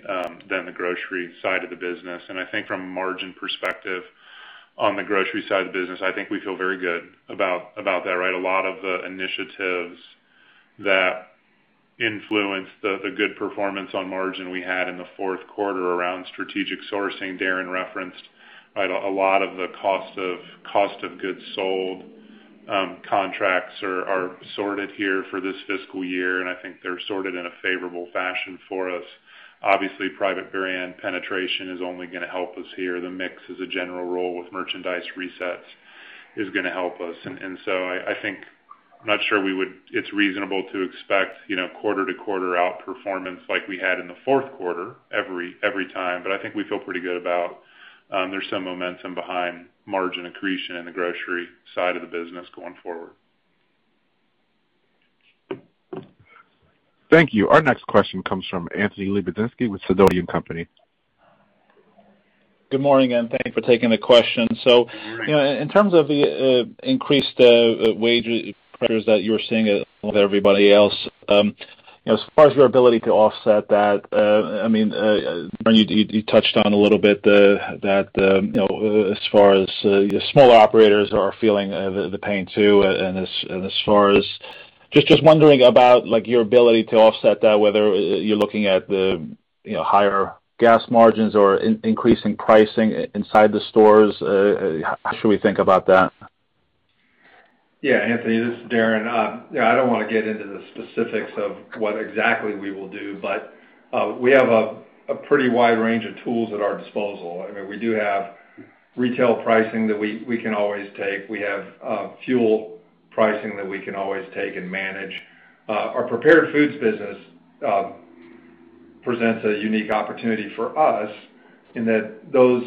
than the grocery side of the business. I think from a margin perspective on the grocery side of the business, I think we feel very good about that. A lot of the initiatives that influenced the good performance on margin we had in the fourth quarter around strategic sourcing, Darren referenced, a lot of the cost of goods sold contracts are sorted here for this fiscal year, and I think they're sorted in a favorable fashion for us. Obviously, private brand penetration is only going to help us here. The mix as a general rule with merchandise resets is going to help us. I think, I'm not sure it's reasonable to expect quarter-to-quarter outperformance like we had in the fourth quarter every time. I think we feel pretty good about there's some momentum behind margin accretion in the grocery side of the business going forward. Thank you. Our next question comes from Anthony Lebiedzinski with Sidoti & Company. Good morning, and thanks for taking the question. In terms of the increased wage pressures that you're seeing with everybody else, as far as your ability to offset that, Darren, you touched on a little bit that as far as your smaller operators are feeling the pain, too. As far as just wondering about your ability to offset that, whether you're looking at the higher gas margins or increasing pricing inside the stores, how should we think about that? Yeah, Anthony, this is Darren. I don't want to get into the specifics of what exactly we will do. We have a pretty wide range of tools at our disposal. We do have retail pricing that we can always take. We have fuel pricing that we can always take and manage. Our prepared foods business presents a unique opportunity for us in that those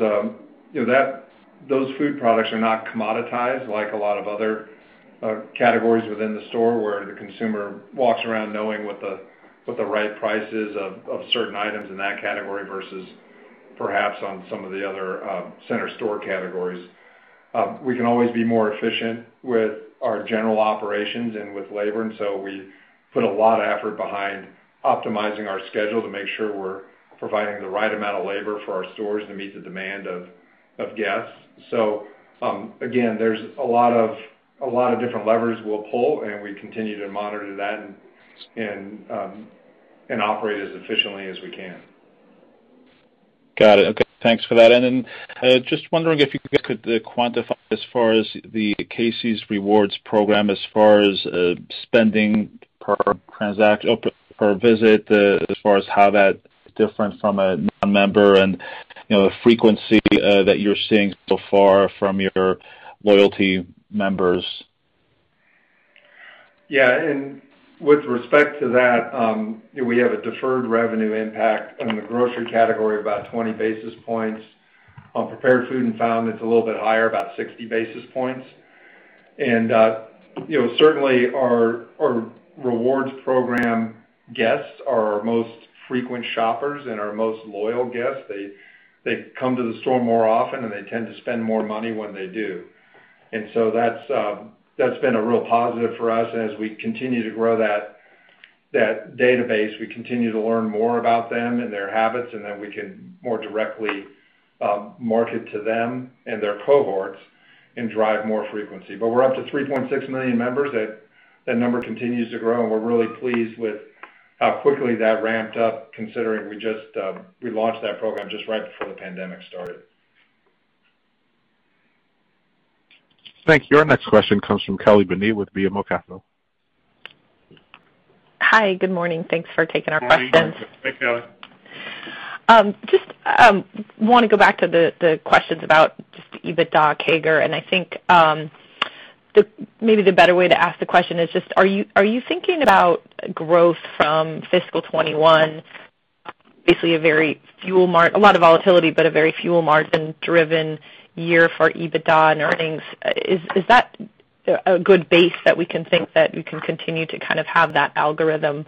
food products are not commoditized like a lot of other categories within the store where the consumer walks around knowing what the right price is of certain items in that category versus perhaps on some of the other center store categories. We can always be more efficient with our general operations and with labor. We put a lot of effort behind optimizing our schedule to make sure we're providing the right amount of labor for our stores to meet the demand of guests. Again, there's a lot of different levers we'll pull, and we continue to monitor that and operate as efficiently as we can. Got it. Okay, thanks for that. Just wondering if you guys could quantify as far as the Casey's Rewards program, as far as spending per transaction, per visit, as far as how that's different from a non-member and the frequency that you're seeing so far from your loyalty members? Yeah. With respect to that, we have a deferred revenue impact in the grocery category of about 20 basis points. Prepared food and fountain, it's a little bit higher, about 60 basis points. Certainly, our Rewards program guests are our most frequent shoppers and our most loyal guests. They come to the store more often, and they tend to spend more money when they do. That's been a real positive for us as we continue to grow that database. We continue to learn more about them and their habits, and then we can more directly market to them and their cohorts and drive more frequency. We're up to 3.6 million members. That number continues to grow, and we're really pleased with how quickly that ramped up, considering we launched that program just right before the pandemic started. Thank you. Our next question comes from Kelly Bania with BMO Capital Markets. Hi, good morning. Thanks for taking our question. Hi, Kelly. Just want to go back to the questions about just EBITDA CAGR. I think maybe the better way to ask the question is just, are you thinking about growth from fiscal 2021, basically a lot of volatility, but a very fuel margin-driven year for EBITDA and earnings. Is that a good base that we can think that you can continue to have that algorithm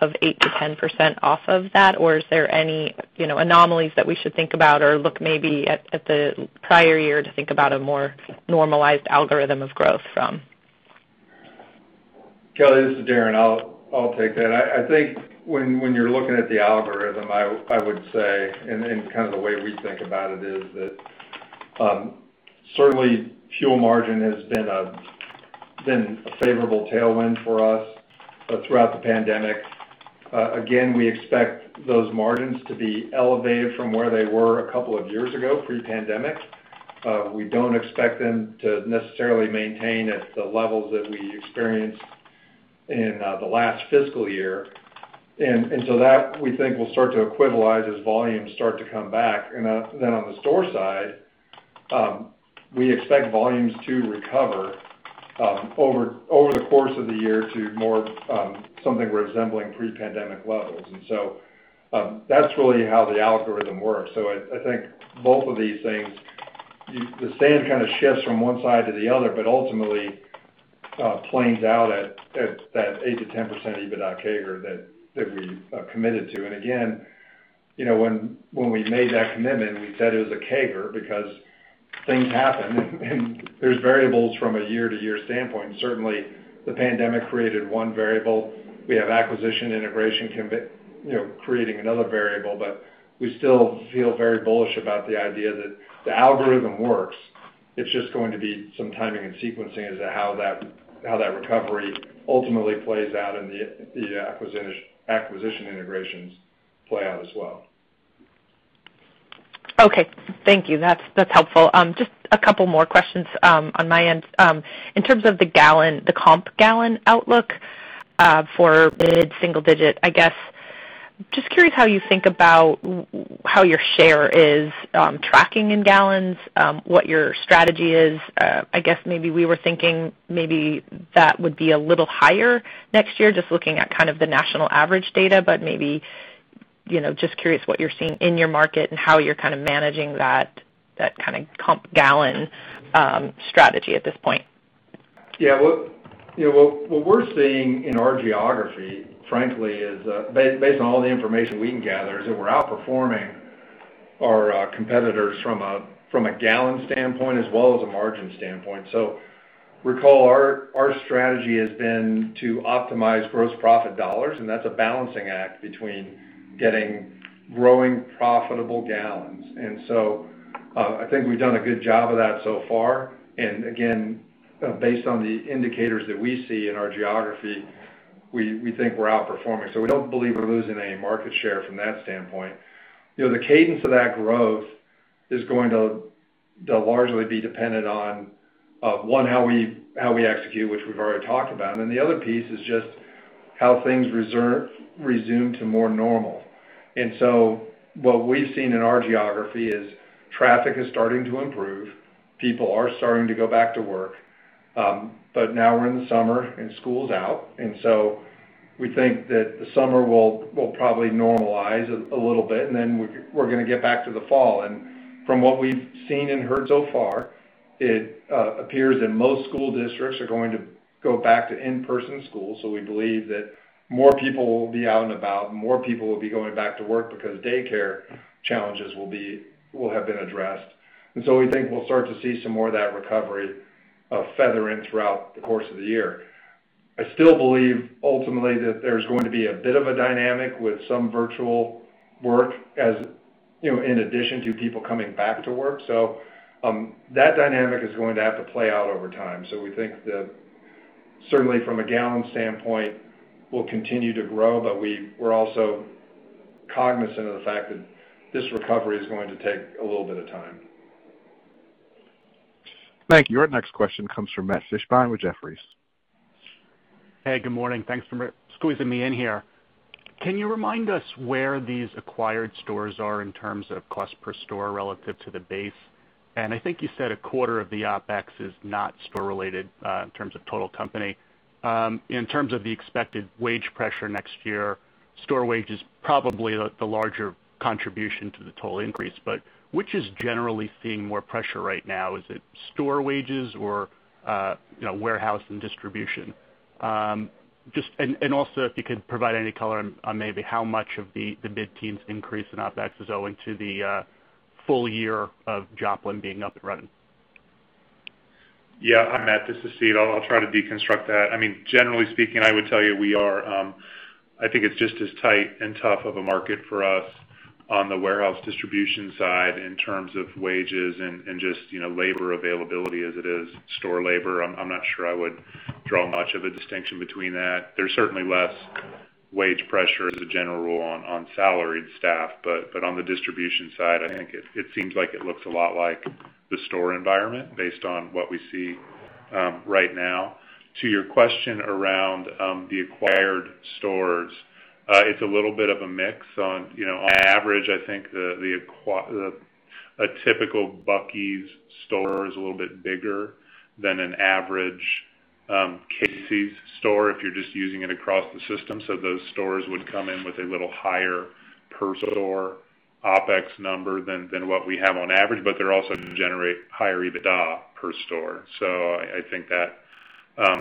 of 8%-10% off of that? Is there any anomalies that we should think about or look maybe at the prior year to think about a more normalized algorithm of growth from? Kelly, this is Darren. I'll take that. I think when you're looking at the algorithm, I would say, and the way we think about it is that certainly fuel margin has been a favorable tailwind for us throughout the pandemic. Again, we expect those margins to be elevated from where they were a couple of years ago, pre-pandemic. We don't expect them to necessarily maintain at the levels that we experienced in the last fiscal year. That we think will start to equivalize as volumes start to come back. On the store side, we expect volumes to recover over the course of the year to more something resembling pre-pandemic levels. That's really how the algorithm works. I think both of these things, the same kind of shifts from one side to the other, but ultimately plays out at that 8%-10% EBITDA CAGR that we committed to. Again, when we made that commitment, we said it was a CAGR because things happen and there's variables from a year-to-year standpoint. Certainly, the pandemic created one variable. We have acquisition integration, creating another variable, but we still feel very bullish about the idea that the algorithm works. It's just going to be some timing and sequencing as to how that recovery ultimately plays out and the acquisition integrations play out as well. Okay, thank you. That's helpful. Just a couple more questions on my end. In terms of the comp gallon outlook for mid-single digit, I guess, just curious how you think about how your share is tracking in gallons, what your strategy is. I guess maybe we were thinking maybe that would be a little higher next year, just looking at the national average data. Maybe, just curious what you're seeing in your market and how you're managing that kind of comp gallon strategy at this point. Yeah. What we're seeing in our geography, frankly, based on all the information we can gather, is that we're outperforming our competitors from a gallon standpoint as well as a margin standpoint. Recall, our strategy has been to optimize gross profit dollars, and that's a balancing act between getting growing profitable gallons. I think we've done a good job of that so far. Again, based on the indicators that we see in our geography, we think we're outperforming. We don't believe we're losing any market share from that standpoint. The cadence of that growth is going to largely be dependent on, one, how we execute, which we've already talked about. The other piece is just how things resume to more normal. What we've seen in our geography is traffic is starting to improve. People are starting to go back to work. Now we're in the summer and school's out, we think that the summer will probably normalize a little bit, we're going to get back to the fall. From what we've seen and heard so far, it appears that most school districts are going to go back to in-person school. We believe that more people will be out and about, more people will be going back to work because daycare challenges will have been addressed. We think we'll start to see some more of that recovery feather in throughout the course of the year. I still believe ultimately that there's going to be a bit of a dynamic with some virtual work in addition to people coming back to work. That dynamic is going to have to play out over time. We think that certainly from a gallon standpoint, we'll continue to grow, but we're also cognizant of the fact that this recovery is going to take a little bit of time. Thank you. Our next question comes from Matt Fishbein with Jefferies. Hey, good morning. Thanks for squeezing me in here. Can you remind us where these acquired stores are in terms of cost per store relative to the base? I think you said a quarter of the OpEx is not store-related, in terms of total company. In terms of the expected wage pressure next year, store wage is probably the larger contribution to the total increase. Which is generally seeing more pressure right now? Is it store wages or warehouse and distribution? Also if you could provide any color on maybe how much of the mid-teens increase in OpEx is owing to the full year of Joplin being up and running. Yeah. Hi, Matt. This is Steve. I'll try to deconstruct that. Generally speaking, I would tell you I think it's just as tight and tough of a market for us on the warehouse distribution side in terms of wages and just labor availability as it is store labor. I'm not sure I would draw much of a distinction between that. There's certainly less wage pressure as a general rule on salaried staff. On the distribution side, I think it seems like it looks a lot like the store environment based on what we see right now. To your question around the acquired stores, it's a little bit of a mix. On average, I think a typical Bucky's store is a little bit bigger than an average Casey's store if you're just using it across the system. Those stores would come in with a little higher per store OpEx number than what we have on average, but they also generate higher EBITDA per store. I think that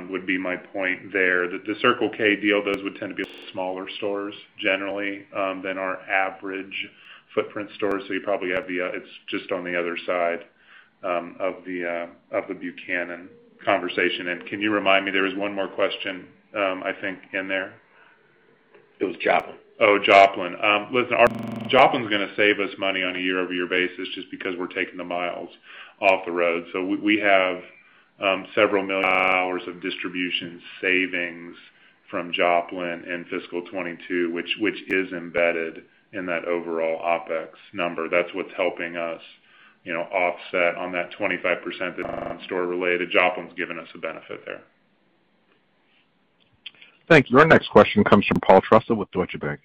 would be my point there. The Circle K deal, those would tend to be smaller stores generally than our average footprint stores. You probably have the- It's just on the other side of the Buchanan conversation. Can you remind me? There was one more question, I think, in there. It was Joplin. Oh, Joplin. Listen, Joplin's going to save us money on a year-over-year basis just because we're taking the miles off the road. We have several million hours of distribution savings from Joplin in fiscal 2022, which is embedded in that overall OpEx number. That's what's helping us offset on that 25% that's non-store related. Joplin's giving us a benefit there. Thank you. Our next question comes from Paul Trussell with Deutsche Bank.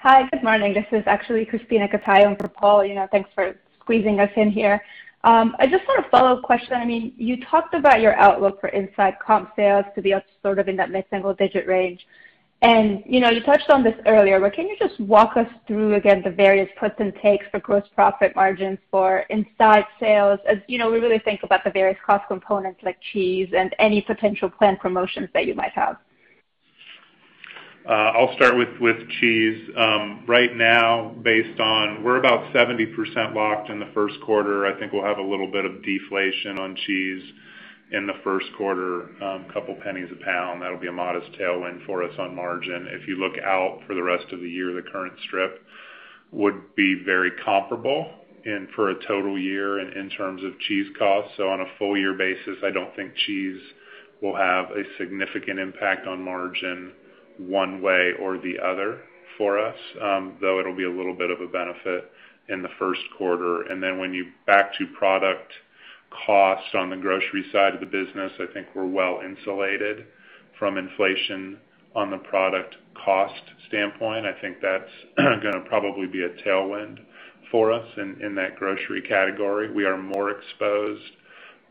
Hi, good morning. This is actually Krisztina Katai for Paul. Thanks for squeezing us in here. I just want to follow up question. You talked about your outlook for inside comp sales to be sort of in that mid-single-digit range, and you touched on this earlier, but can you just walk us through again the various puts and takes for gross profit margins for inside sales as we really think about the various cost components like cheese and any potential planned promotions that you might have? I'll start with cheese. Right now, based on we're about 70% locked in the first quarter. I think we'll have a little bit of deflation on cheese in the first quarter, $0.02 a pound. That'll be a modest tailwind for us on margin. If you look out for the rest of the year, the current strip would be very comparable for a total year in terms of cheese cost. On a full year basis, I don't think cheese will have a significant impact on margin one way or the other for us. Though it'll be a little bit of a benefit in the first quarter. Back to product cost on the grocery side of the business, I think we're well insulated from inflation on the product cost standpoint. I think that's going to probably be a tailwind for us in that grocery category. We are more exposed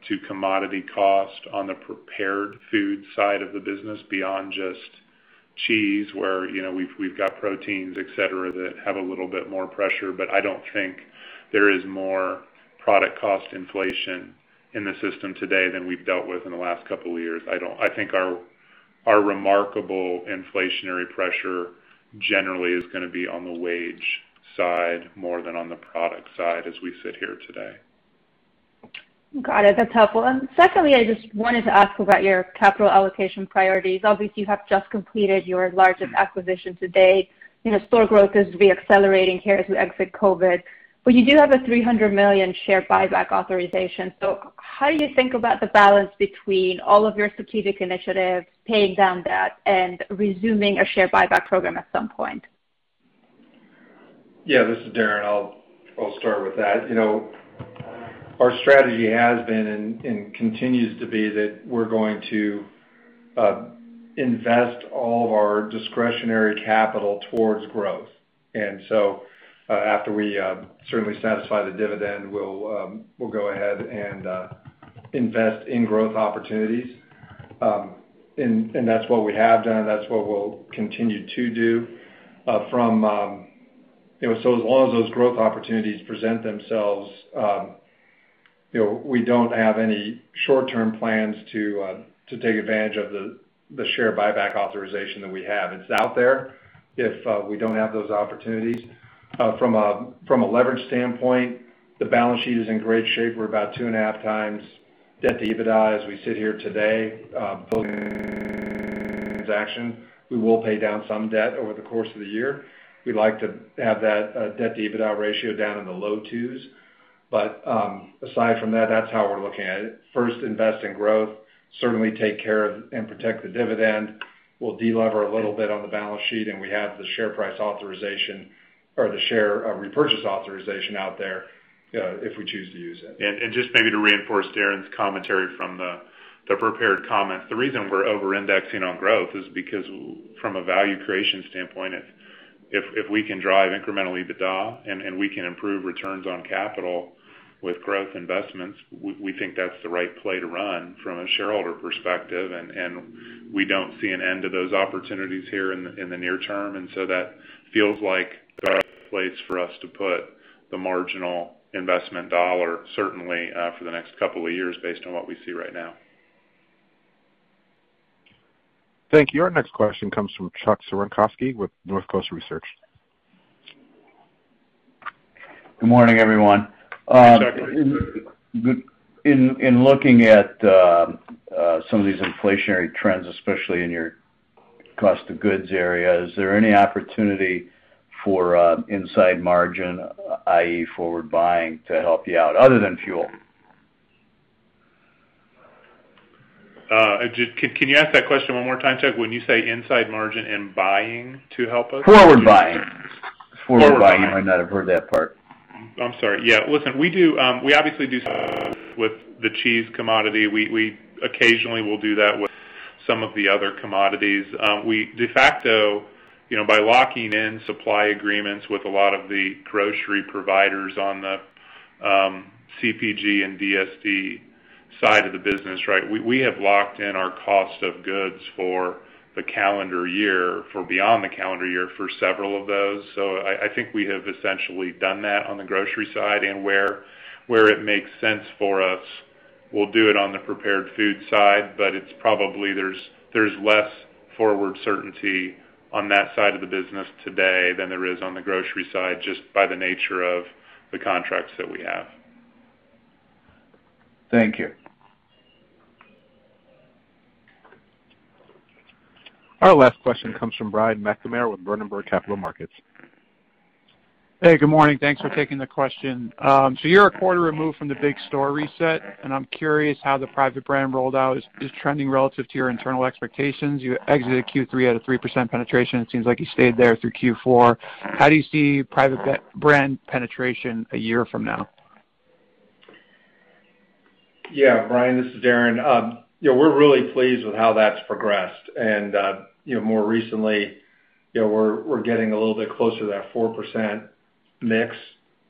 to commodity cost on the prepared food side of the business beyond just cheese, where we've got proteins, et cetera, that have a little bit more pressure. I don't think there is more product cost inflation in the system today than we've dealt with in the last couple of years. I think our remarkable inflationary pressure generally is going to be on the wage side more than on the product side as we sit here today. Got it. That's helpful. Secondly, I just wanted to ask about your capital allocation priorities. Obviously, you have just completed your largest acquisition to date. Store growth is to be accelerating here as we exit COVID, but you do have a $300 million share buyback authorization. How do you think about the balance between all of your strategic initiatives, paying down debt, and resuming a share buyback program at some point? Yeah, this is Darren. I'll start with that. Our strategy has been, and continues to be, that we're going to invest all of our discretionary capital towards growth. After we certainly satisfy the dividend, we'll go ahead and invest in growth opportunities. That's what we have done. That's what we'll continue to do. As long as those growth opportunities present themselves, we don't have any short-term plans to take advantage of the share buyback authorization that we have. It's out there if we don't have those opportunities. From a leverage standpoint, the balance sheet is in great shape. We're about 2.5x debt to EBITDA as we sit here today, both transaction. We will pay down some debt over the course of the year. We'd like to have that debt to EBITDA ratio down in the low twos. Aside from that's how we're looking at it. First, invest in growth, certainly take care of and protect the dividend. We'll de-lever a little bit on the balance sheet, and we have the share price authorization or the share repurchase authorization out there if we choose to use it. Just maybe to reinforce Darren's commentary from the prepared comments, the reason we're over-indexing on growth is because from a value creation standpoint, if we can drive incremental EBITDA and we can improve returns on capital with growth investments, we think that's the right play to run from a shareholder perspective. We don't see an end to those opportunities here in the near term. So that feels like the best place for us to put the marginal investment dollar, certainly for the next couple of years based on what we see right now. Thank you. Our next question comes from Chuck Cerankosky with Northcoast Research. Good morning, everyone. In looking at some of these inflationary trends, especially in your cost of goods area, is there any opportunity for inside margin, i.e., forward buying to help you out other than fuel? Can you ask that question one more time, Chuck? When you say inside margin and buying, to help us? Forward buying. Forward buying. I might not have heard that part. I'm sorry. Yeah. Listen, we obviously do some with the cheese commodity. We occasionally will do that with some of the other commodities. We de facto, by locking in supply agreements with a lot of the grocery providers on the CPG and DSD side of the business, we have locked in our cost of goods for the calendar year, for beyond the calendar year, for several of those. I think we have essentially done that on the grocery side. Where it makes sense for us, we'll do it on the prepared food side. It's probably there's less forward certainty on that side of the business today than there is on the grocery side, just by the nature of the contracts that we have. Thank you. Our last question comes from Brian McNamara with Berenberg Capital Markets. Hey, good morning. Thanks for taking the question. You're a quarter removed from the big store reset, and I'm curious how the private brand rollout is trending relative to your internal expectations. You exited Q3 at a 3% penetration. It seems like you stayed there through Q4. How do you see private brand penetration a year from now? Brian, this is Darren. We're really pleased with how that's progressed. More recently, we're getting a little bit closer to that 4% mix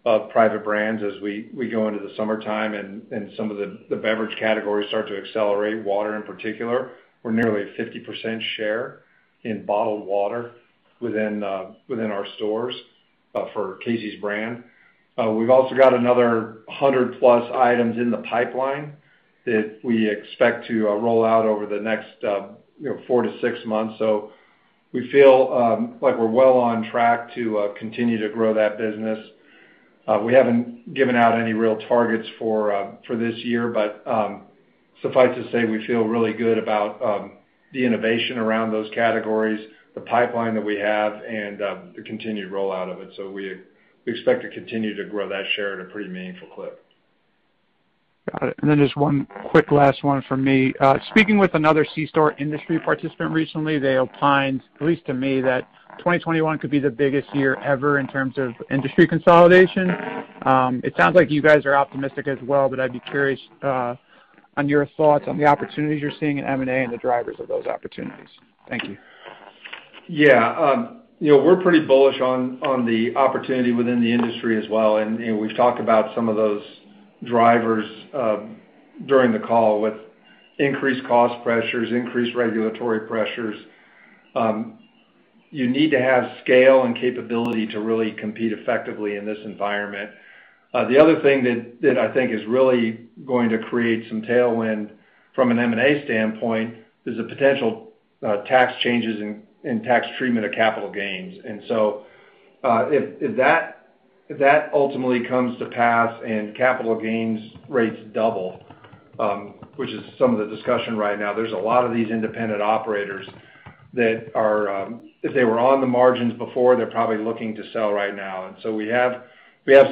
of private brands as we go into the summertime and some of the beverage categories start to accelerate. Water in particular. We're nearly at 50% share in bottled water within our stores for Casey's brand. We've also got another 100+ items in the pipeline that we expect to roll out over the next four to six months. We feel like we're well on track to continue to grow that business. We haven't given out any real targets for this year, but suffice to say, we feel really good about the innovation around those categories, the pipeline that we have, and the continued rollout of it. We expect to continue to grow that share at a pretty meaningful clip. Got it. Just one quick last one from me. Speaking with another C store industry participant recently, they opined, at least to me, that 2021 could be the biggest year ever in terms of industry consolidation. It sounds like you guys are optimistic as well. I'd be curious on your thoughts on the opportunities you're seeing in M&A and the drivers of those opportunities. Thank you. Yeah. We're pretty bullish on the opportunity within the industry as well. We talked about some of those drivers during the call with increased cost pressures, increased regulatory pressures. You need to have scale and capability to really compete effectively in this environment. The other thing that I think is really going to create some tailwind from an M&A standpoint is the potential tax changes and tax treatment of capital gains. If that ultimately comes to pass and capital gains rates double, which is some of the discussion right now, there's a lot of these independent operators that if they were on the margins before, they're probably looking to sell right now. We have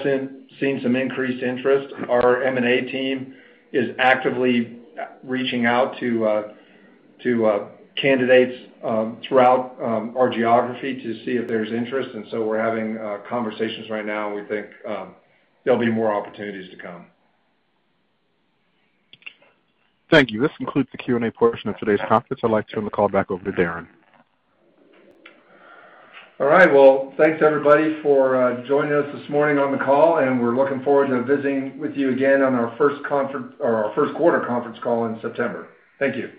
seen some increased interest. Our M&A team is actively reaching out to candidates throughout our geography to see if there's interest, and so we're having conversations right now, and we think there'll be more opportunities to come. Thank you. This concludes the Q&A portion of today's conference. I'd like to turn the call back over to Darren. All right. Well, thanks, everybody, for joining us this morning on the call. We're looking forward to visiting with you again on our first quarter conference call in September. Thank you.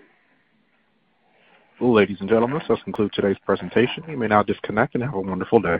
Ladies and gentlemen, this concludes today's presentation. You may now disconnect and have a wonderful day.